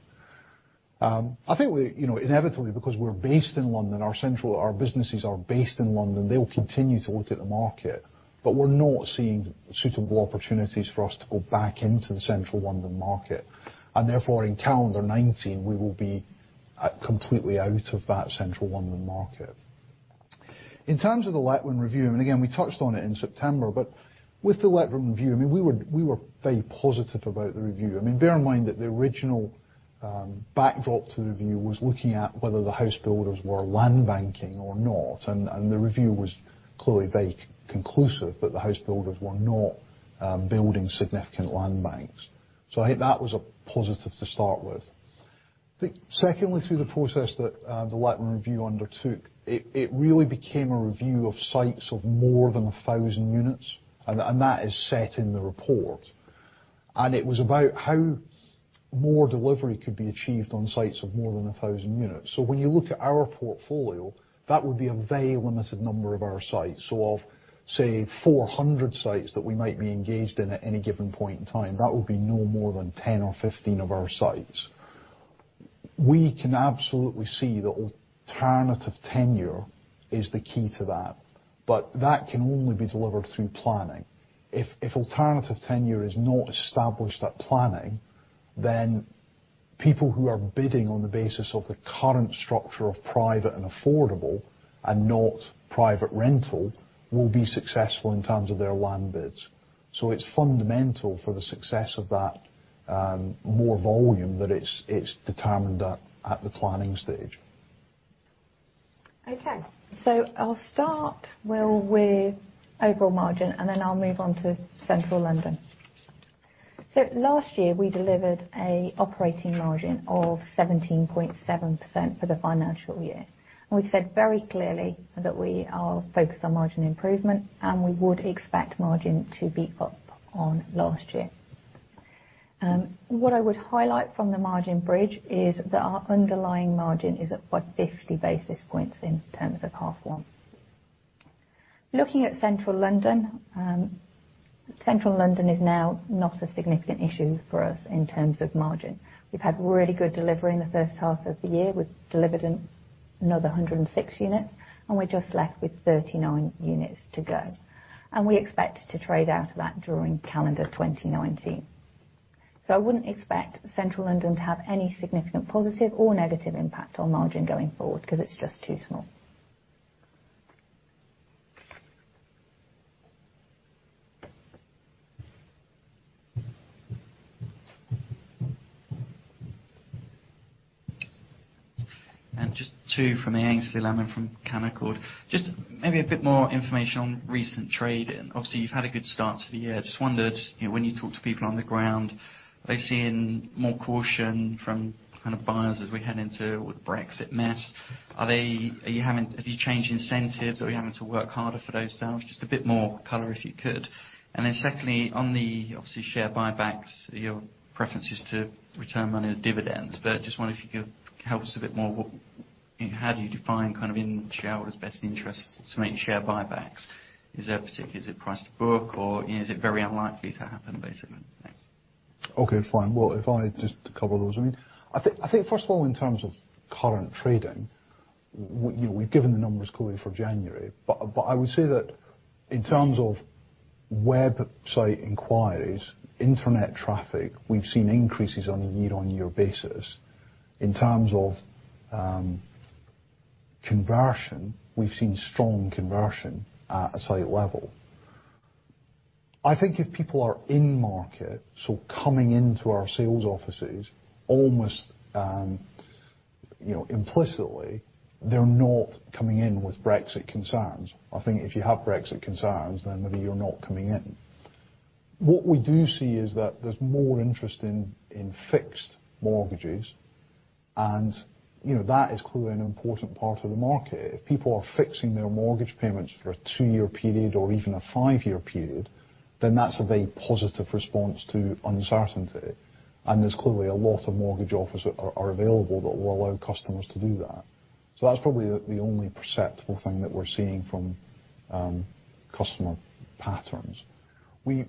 I think inevitably, because we're based in London, our businesses are based in London, they will continue to look at the market. We're not seeing suitable opportunities for us to go back into the Central London market. Therefore, in calendar 2019, we will be completely out of that Central London market. In terms of the Letwin Review, again, we touched on it in September, with the Letwin Review, we were very positive about the review. Bear in mind that the original backdrop to the review was looking at whether the house builders were land banking or not, and the review was clearly very conclusive that the house builders were not building significant land banks. I think that was a positive to start with. Secondly, through the process that the Letwin Review undertook, it really became a review of sites of more than 1,000 units, and that is set in the report. It was about how more delivery could be achieved on sites of more than 1,000 units. When you look at our portfolio, that would be a very limited number of our sites. Of, say, 400 sites that we might be engaged in at any given point in time, that would be no more than 10 or 15 of our sites. We can absolutely see that alternative tenure is the key to that can only be delivered through planning. If alternative tenure is not established at planning, then people who are bidding on the basis of the current structure of private and affordable and not private rental will be successful in terms of their land bids. It's fundamental for the success of that more volume that it's determined at the planning stage. Okay. I'll start, Will, with overall margin, and then I'll move on to Central London. Last year, we delivered an operating margin of 17.7% for the financial year. We've said very clearly that we are focused on margin improvement, and we would expect margin to be up on last year. What I would highlight from the margin bridge is that our underlying margin is up by 50 basis points in terms of half one. Looking at Central London, Central London is now not a significant issue for us in terms of margin. We've had really good delivery in the first half of the year. We've delivered another 106 units, and we're just left with 39 units to go. We expect to trade out of that during calendar 2019. I wouldn't expect Central London to have any significant positive or negative impact on margin going forward, because it's just too small. Just two from me. Aynsley Lammin from Canaccord. Just maybe a bit more information on recent trade. Obviously, you've had a good start to the year. Just wondered, when you talk to people on the ground, are they seeing more caution from buyers as we head into the Brexit mess? Have you changed incentives, or are you having to work harder for those sales? Just a bit more color, if you could. Then secondly, on the obviously share buybacks, your preference is to return money as dividends. Just wonder if you could help us a bit more, how do you define in shareholders' best interests to make share buybacks? Is it price to book, or is it very unlikely to happen, basically? Thanks. Okay, fine. Well, if I just cover those. I think first of all, in terms of current trading, we've given the numbers clearly for January. I would say that in terms of website inquiries, internet traffic, we've seen increases on a year-on-year basis. In terms of conversion, we've seen strong conversion at a site level. I think if people are in market, so coming into our sales offices, almost implicitly, they're not coming in with Brexit concerns. I think if you have Brexit concerns, then maybe you're not coming in. What we do see is that there's more interest in fixed mortgages, and that is clearly an important part of the market. If people are fixing their mortgage payments for a two-year period or even a five-year period, that's a very positive response to uncertainty. There's clearly a lot of mortgage offers are available that will allow customers to do that. That's probably the only perceptible thing that we're seeing from customer patterns. We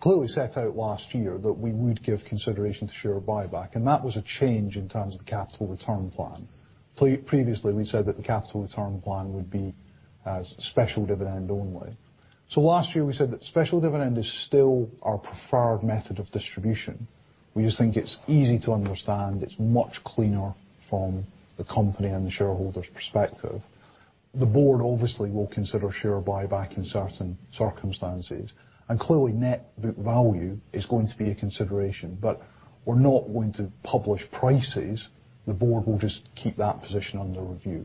clearly set out last year that we would give consideration to share buyback, that was a change in terms of the capital return plan. Previously, we said that the capital return plan would be as special dividend only. Last year we said that special dividend is still our preferred method of distribution. We just think it's easy to understand. It's much cleaner from the company and the shareholders' perspective. The board obviously will consider share buyback in certain circumstances, clearly net value is going to be a consideration. We're not going to publish prices. The board will just keep that position under review.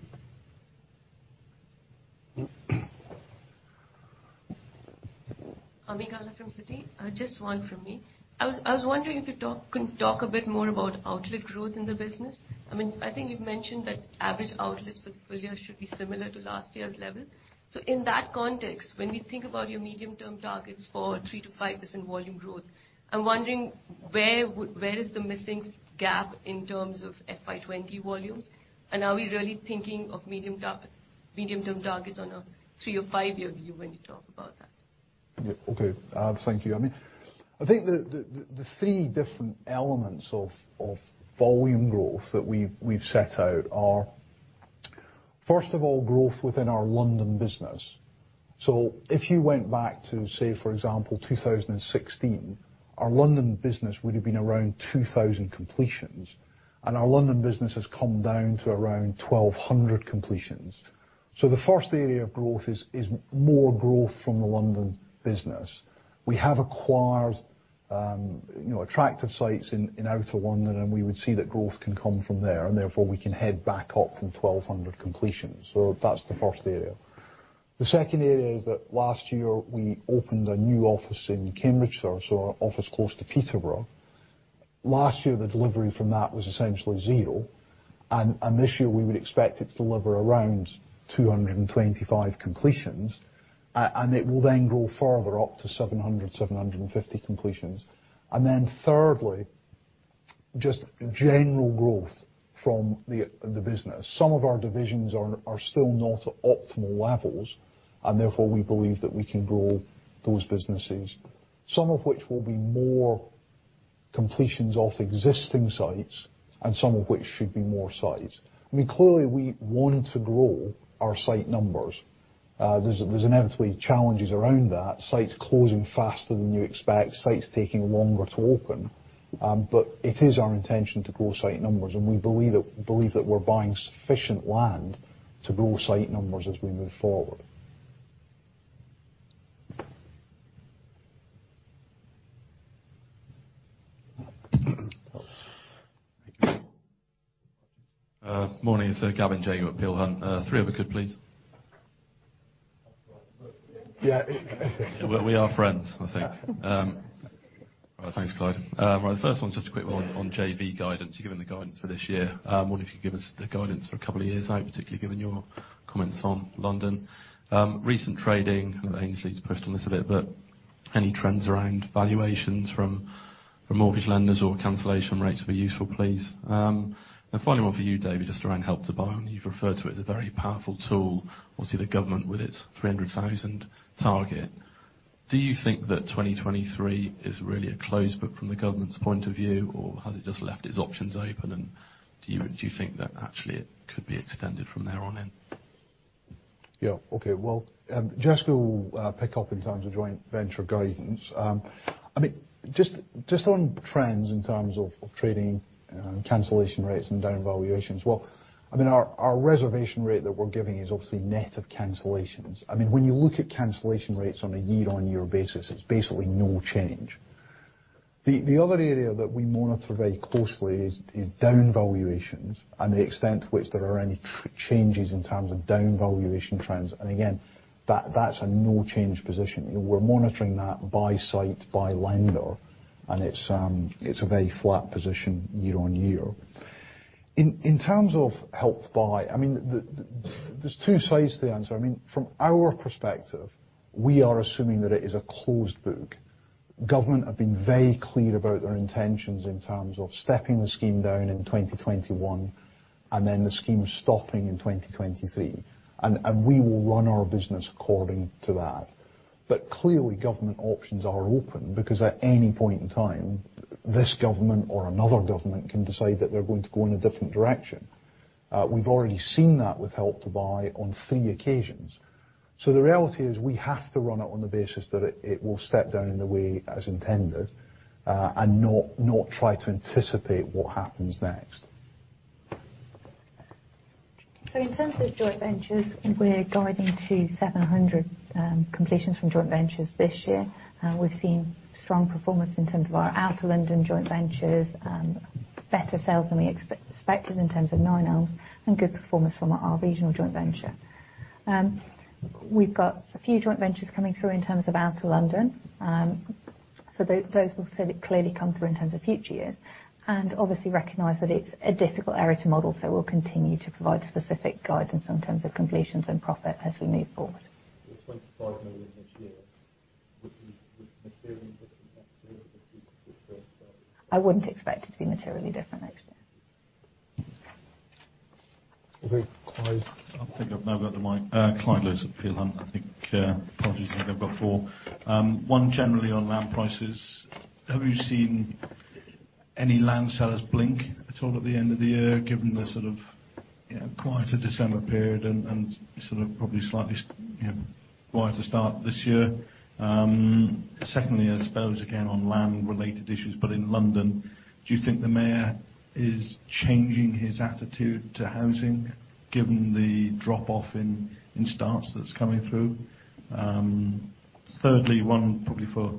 Ami Galla from Citi. Just one from me. I was wondering if you could talk a bit more about outlet growth in the business. I think you've mentioned that average outlets for the full year should be similar to last year's level. In that context, when we think about your medium-term targets for 3%-5% volume growth, I'm wondering where is the missing gap in terms of FY 2020 volumes, are we really thinking of medium-term targets on a three-year or five-year view when you talk about that? Okay. Thank you. I think the three different elements of volume growth that we've set out are, first of all, growth within our London business. If you went back to, say, for example, 2016, our London business would have been around 2,000 completions, our London business has come down to around 1,200 completions. The first area of growth is more growth from the London business. We have acquired attractive sites in outer London, we would see that growth can come from there, therefore we can head back up from 1,200 completions. That's the first area. The second area is that last year we opened a new office in Cambridgeshire, our office close to Peterborough. Last year, the delivery from that was essentially zero. This year, we would expect it to deliver around 225 completions, and it will then grow further up to 700, 750 completions. Thirdly, just general growth from the business. Some of our divisions are still not at optimal levels. Therefore, we believe that we can grow those businesses, some of which will be more completions off existing sites. Some of which should be more sites. Clearly, we want to grow our site numbers. There is inevitably challenges around that, sites closing faster than you expect, sites taking longer to open. It is our intention to grow site numbers, and we believe that we are buying sufficient land to grow site numbers as we move forward. Morning, sir. Gavin Jago, Peel Hunt. Three if I could, please. Yeah. We are friends, I think. Thanks, Clyde. The first one is just a quick one on JV guidance. You have given the guidance for this year. Wonder if you could give us the guidance for a couple of years out, particularly given your comments on London. Recent trading, I know Aynsley's pushed on this a bit, but any trends around valuations from mortgage lenders or cancellation rates would be useful, please. Final one for you, David, just around Help to Buy. You have referred to it as a very powerful tool. Obviously, the government with its 300,000 target. Do you think that 2023 is really a closed book from the government's point of view, or has it just left its options open, and do you think that actually it could be extended from there on in? Okay. Jessica will pick up in terms of joint venture guidance. Just on trends in terms of trading, cancellation rates, and down valuations. Our reservation rate that we are giving is obviously net of cancellations. When you look at cancellation rates on a year-on-year basis, it is basically no change. The other area that we monitor very closely is down valuations and the extent to which there are any changes in terms of down valuation trends. Again, that is a no change position. We are monitoring that by site, by lender, and it is a very flat position year-on-year. In terms of Help to Buy, there is two sides to the answer. From our perspective, we are assuming that it is a closed book. Government have been very clear about their intentions in terms of stepping the scheme down in 2021, and then the scheme stopping in 2023. We will run our business according to that. Clearly government options are open because at any point in time, this government or another government can decide that they're going to go in a different direction. We've already seen that with Help to Buy on three occasions. The reality is we have to run it on the basis that it will step down in the way as intended, and not try to anticipate what happens next. In terms of joint ventures, we're guiding to 700 completions from joint ventures this year. We've seen strong performance in terms of our Outer London joint ventures, better sales than we expected in terms of Nine Elms, and good performance from our regional joint venture. We've got a few joint ventures coming through in terms of Outer London. Those will clearly come through in terms of future years, and obviously recognize that it's a difficult area to model, so we'll continue to provide specific guidance in terms of completions and profit as we move forward. With 25 million this year, would we be materially different next year? I wouldn't expect it to be materially different next year. Okay. Clyde. I think I've now got the mic. Clyde Lewis at Peel Hunt. I think apologies if I overlap before. One generally on land prices. Have you seen any land sellers blink at all at the end of the year, given the sort of quieter December period and probably slightly quieter start this year? Secondly, I suppose again on land related issues, but in London, do you think the mayor is changing his attitude to housing given the drop-off in starts that's coming through? Thirdly, one probably for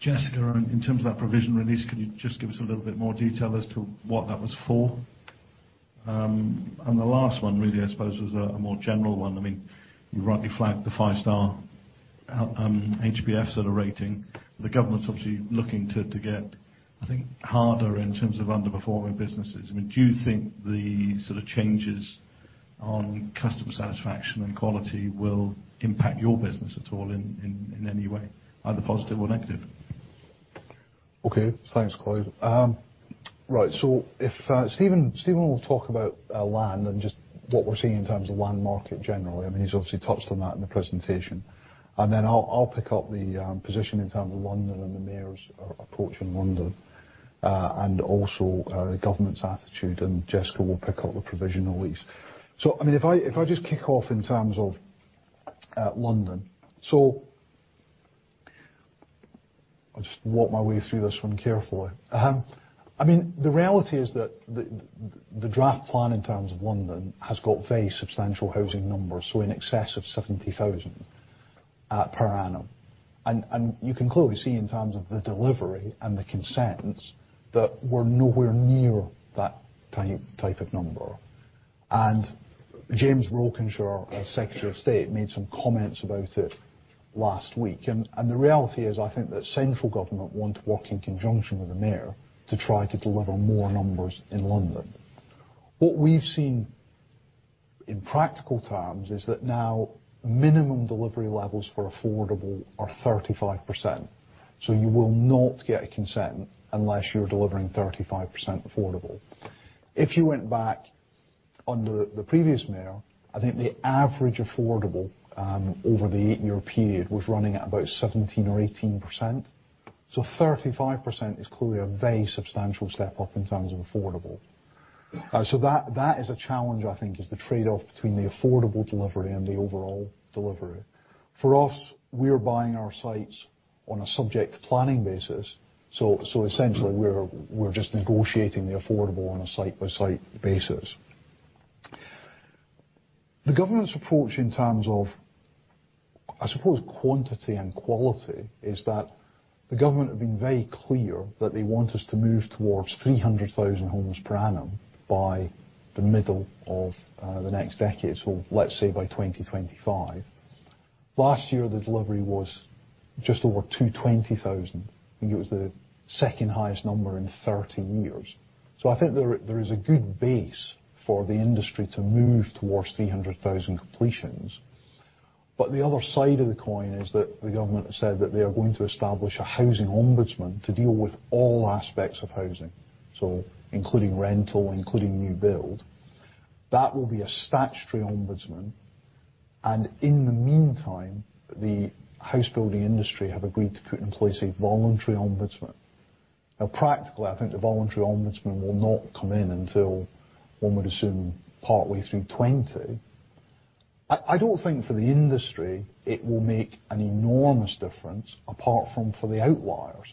Jessica, in terms of that provision release, could you just give us a little bit more detail as to what that was for? The last one really, I suppose is a more general one. You rightly flagged the five-star HBF sort of rating. The government's obviously looking to get, I think, harder in terms of underperforming businesses. Do you think the sort of changes on customer satisfaction and quality will impact your business at all in any way, either positive or negative? Okay. Thanks, Clyde. Right. Steven will talk about land and just what we're seeing in terms of land market generally. He's obviously touched on that in the presentation. Then I'll pick up the position in terms of London and the mayor's approach in London. Also the government's attitude, and Jessica will pick up the provision release. If I just kick off in terms of London. I'll just work my way through this one carefully. The reality is that the draft plan in terms of London has got very substantial housing numbers, so in excess of 70,000 per annum. You can clearly see in terms of the delivery and the consents that we're nowhere near that type of number. James Brokenshire, our Secretary of State, made some comments about it last week. The reality is, I think that central government want to work in conjunction with the mayor to try to deliver more numbers in London. What we've seen in practical terms is that now minimum delivery levels for affordable are 35%. You will not get a consent unless you're delivering 35% affordable. If you went back under the previous mayor, I think the average affordable over the eight-year period was running at about 17% or 18%. 35% is clearly a very substantial step up in terms of affordable. That is a challenge, I think, is the trade-off between the affordable delivery and the overall delivery. For us, we are buying our sites on a subject to planning basis. Essentially, we're just negotiating the affordable on a site-by-site basis. The government's approach in terms of, I suppose, quantity and quality is that the government have been very clear that they want us to move towards 300,000 homes per annum by the middle of the next decade. Let's say by 2025. Last year, the delivery was just over 220,000. I think it was the second highest number in 30 years. I think there is a good base for the industry to move towards 300,000 completions. The other side of the coin is that the government has said that they are going to establish a housing ombudsman to deal with all aspects of housing. Including rental, including new build. That will be a statutory ombudsman. In the meantime, the house building industry have agreed to put in place a voluntary ombudsman. Now practically, I think the voluntary ombudsman will not come in until, one would assume, partway through 2020. I don't think for the industry it will make an enormous difference, apart from for the outliers.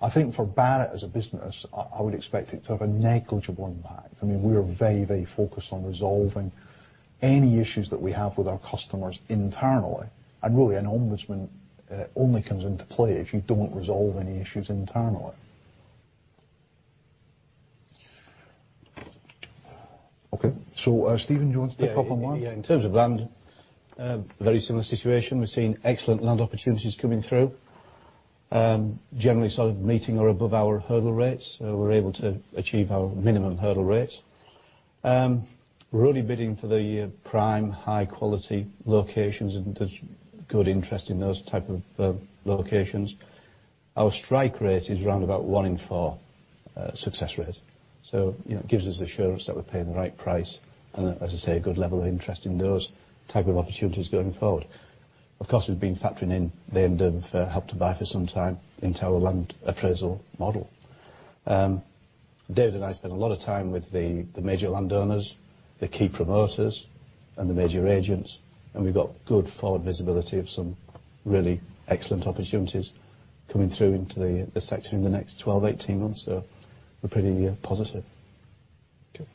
I think for Barratt as a business, I would expect it to have a negligible impact. We are very focused on resolving any issues that we have with our customers internally. Really, an ombudsman only comes into play if you don't resolve any issues internally. Okay. Steven, do you want to pick up on land? In terms of land, very similar situation. We're seeing excellent land opportunities coming through. Generally meeting or above our hurdle rates, we're able to achieve our minimum hurdle rates. We're only bidding for the prime, high-quality locations, there's good interest in those type of locations. Our strike rate is around about one in four success rate. It gives us assurance that we're paying the right price, that, as I say, a good level of interest in those type of opportunities going forward. Of course, we've been factoring in the end of Help to Buy for some time into our land appraisal model. David and I spend a lot of time with the major landowners, the key promoters, and the major agents, we've got good forward visibility of some really excellent opportunities coming through into the sector in the next 12, 18 months. We're pretty positive. Okay.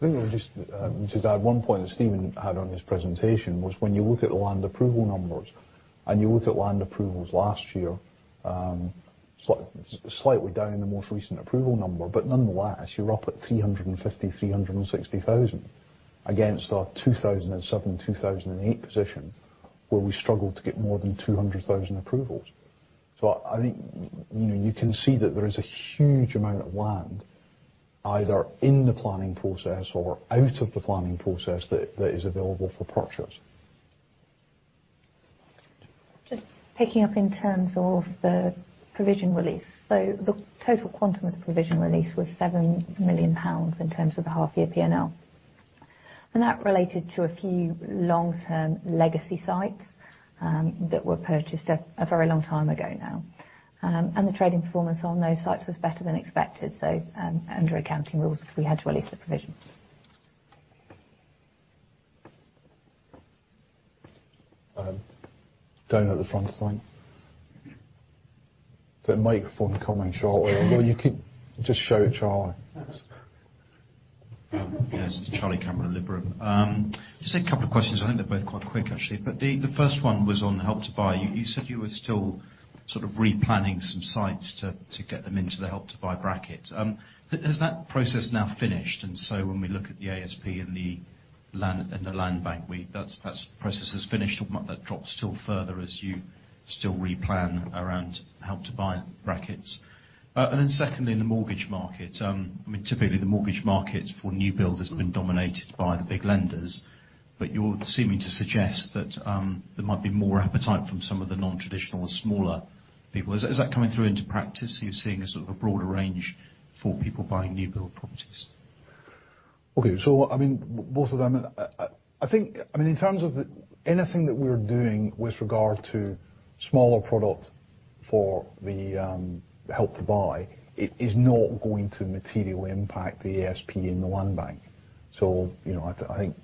Maybe just to add one point that Steven had on his presentation, was when you look at the land approval numbers, and you look at land approvals last year, slightly down in the most recent approval number. Nonetheless, you're up at 350,000, 360,000 against our 2007, 2008 position, where we struggled to get more than 200,000 approvals. I think you can see that there is a huge amount of land either in the planning process or out of the planning process that is available for purchase. Just picking up in terms of the provision release. The total quantum of the provision release was 7 million pounds in terms of the half year P&L. That related to a few long-term legacy sites that were purchased a very long time ago now. The trading performance on those sites was better than expected. Under accounting rules, we had to release the provisions. Down at the front, I think. There's a microphone coming shortly, or you could just shout, Charlie. Yes. Charlie Campbell, Liberum. A couple of questions. They're both quite quick, actually. The first one was on Help to Buy. You said you were still sort of replanning some sites to get them into the Help to Buy bracket. Has that process now finished? When we look at the ASP and the land bank, that process has finished. Might that drop still further as you still replan around Help to Buy brackets? Secondly, in the mortgage market. Typically, the mortgage market for new build has been dominated by the big lenders. You're seeming to suggest that there might be more appetite from some of the non-traditional or smaller people. Is that coming through into practice? Are you seeing a sort of a broader range for people buying new build properties? Both of them, I think in terms of anything that we're doing with regard to smaller product for the Help to Buy, it is not going to materially impact the ASP in the land bank. I think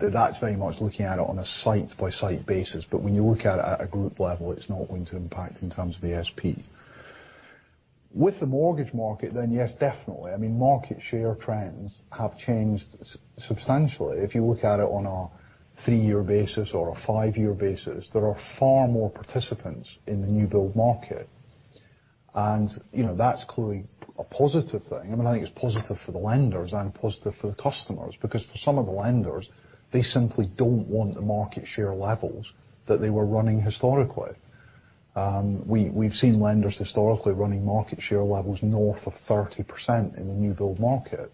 that that's very much looking at it on a site-by-site basis. When you look at it at a group level, it's not going to impact in terms of ASP. With the mortgage market, yes, definitely. Market share trends have changed substantially. If you look at it on a three-year basis or a five-year basis, there are far more participants in the new build market. That's clearly a positive thing. I think it's positive for the lenders and positive for the customers, because for some of the lenders, they simply don't want the market share levels that they were running historically. We've seen lenders historically running market share levels north of 30% in the new build market.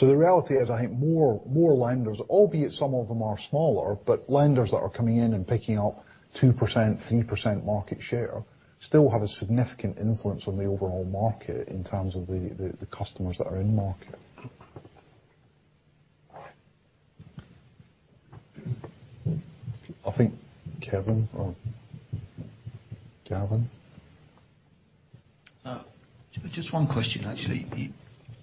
The reality is, I think more lenders, albeit some of them are smaller, but lenders that are coming in and picking up 2%, 3% market share still have a significant influence on the overall market in terms of the customers that are in market. I think Kevin or Gavin. One question, actually.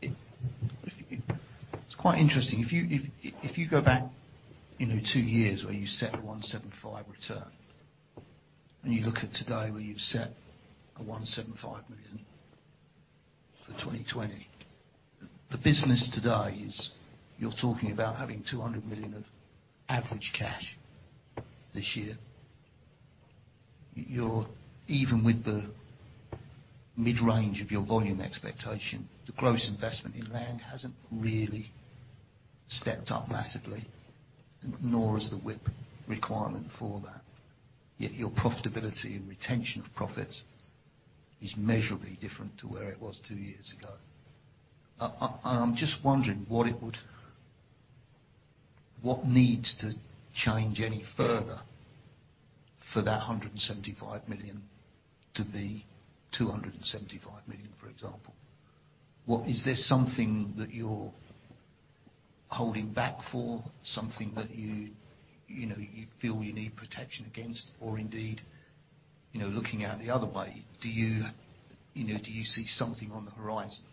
It's quite interesting. If you go back two years, where you set a 175 return, and you look at today, where you've set a 175 million for 2020. The business today is you're talking about having 200 million of average cash this year. Even with the mid-range of your volume expectation, the gross investment in land hasn't really stepped up massively, nor has the WIP requirement for that, yet your profitability and retention of profits is measurably different to where it was two years ago. What needs to change any further for that 175 million to be 275 million, for example. Is there something that you're holding back for something that you feel you need protection against, or indeed, looking at it the other way, do you see something on the horizon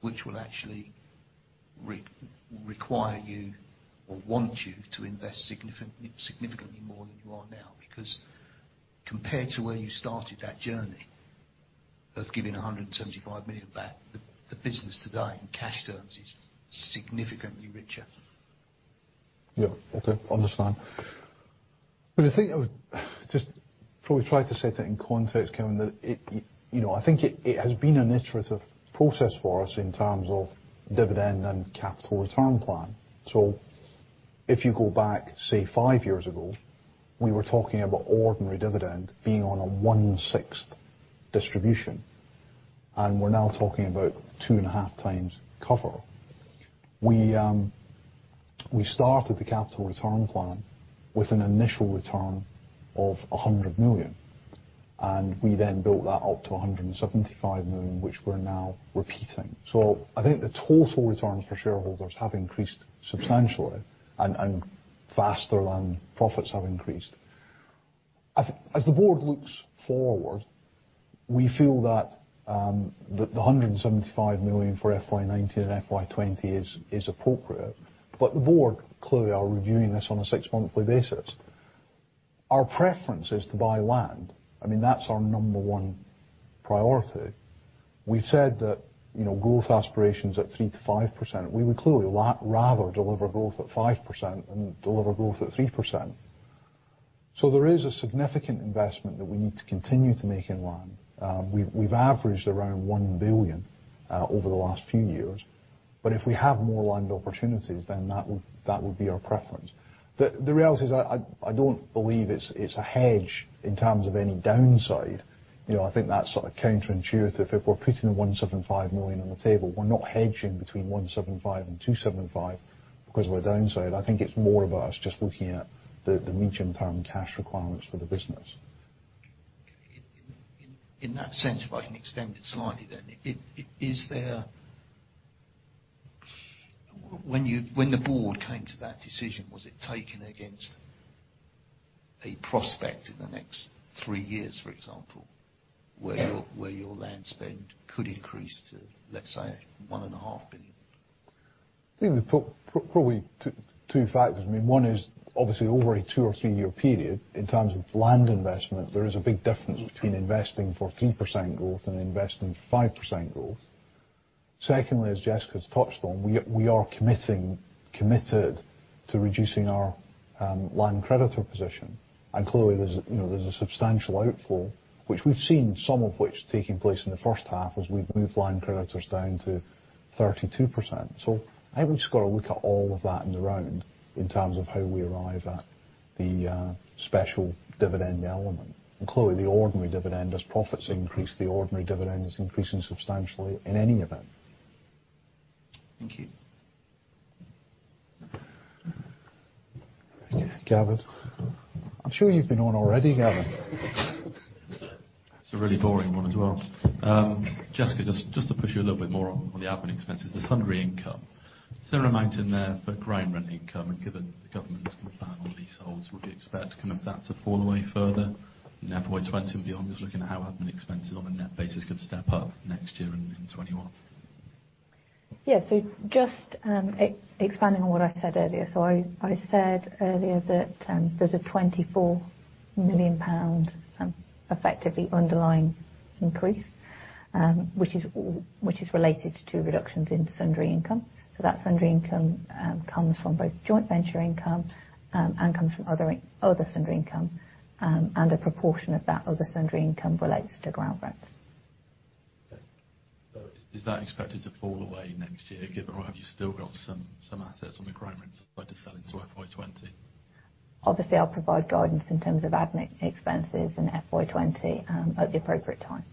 which will actually require you or want you to invest significantly more than you are now? Compared to where you started that journey of giving 175 million back, the business today, in cash terms, is significantly richer. Yeah, okay. Understand. I think I would just probably try to set it in context, Kevin, that I think it has been an iterative process for us in terms of dividend and capital return plan. If you go back, say, five years ago, we were talking about ordinary dividend being on a one-sixth distribution. We're now talking about two and a half times cover. We started the capital return plan with an initial return of 100 million. We then built that up to 175 million, which we're now repeating. I think the total returns for shareholders have increased substantially and faster than profits have increased. As the board looks forward, we feel that the 175 million for FY 2019 and FY 2020 is appropriate. The board clearly are reviewing this on a six-monthly basis. Our preference is to buy land. That's our number one priority. We've said that growth aspiration's at 3%-5%. We would clearly rather deliver growth at 5% than deliver growth at 3%. There is a significant investment that we need to continue to make in land. We've averaged around 1 billion over the last few years. If we have more land opportunities, that would be our preference. The reality is, I don't believe it's a hedge in terms of any downside. I think that's counterintuitive. If we're putting the 175 million on the table, we're not hedging between 175 and 275 because of a downside. I think it's more of us just looking at the medium-term cash requirements for the business. In that sense, if I can extend it slightly then, when the board came to that decision, was it taken against a prospect in the next three years, for example, where your land spend could increase to, let's say, one and a half billion? I think there's probably two factors. One is, obviously over a two- or three-year period, in terms of land investment, there is a big difference between investing for 3% growth and investing for 5% growth. Secondly, as Jessica's touched on, we are committed to reducing our land creditor position. Clearly, there's a substantial outflow, which we've seen some of which taking place in the first half as we've moved land creditors down to 32%. I think we've just got to look at all of that in the round in terms of how we arrive at the special dividend element. Including the ordinary dividend. As profits increase, the ordinary dividend is increasing substantially in any event. Thank you. Gavin. I'm sure you've been on already, Gavin. It's a really boring one as well. Jessica, just to push you a little bit more on the admin expenses, the sundry income. Is there an amount in there for ground rent income? Given the government has come down on leaseholds, would we expect that to fall away further in FY 2020 and beyond? Just looking at how admin expenses on a net basis could step up next year and in 2021. Just expanding on what I said earlier. I said earlier that there's a 24 million pound effectively underlying increase, which is related to reductions in sundry income. That sundry income comes from both joint venture income and comes from other sundry income, and a proportion of that other sundry income relates to ground rents. Is that expected to fall away next year, given or have you still got some assets on the ground rents by selling to FY 2020? Obviously, I'll provide guidance in terms of admin expenses in FY 2020 at the appropriate time.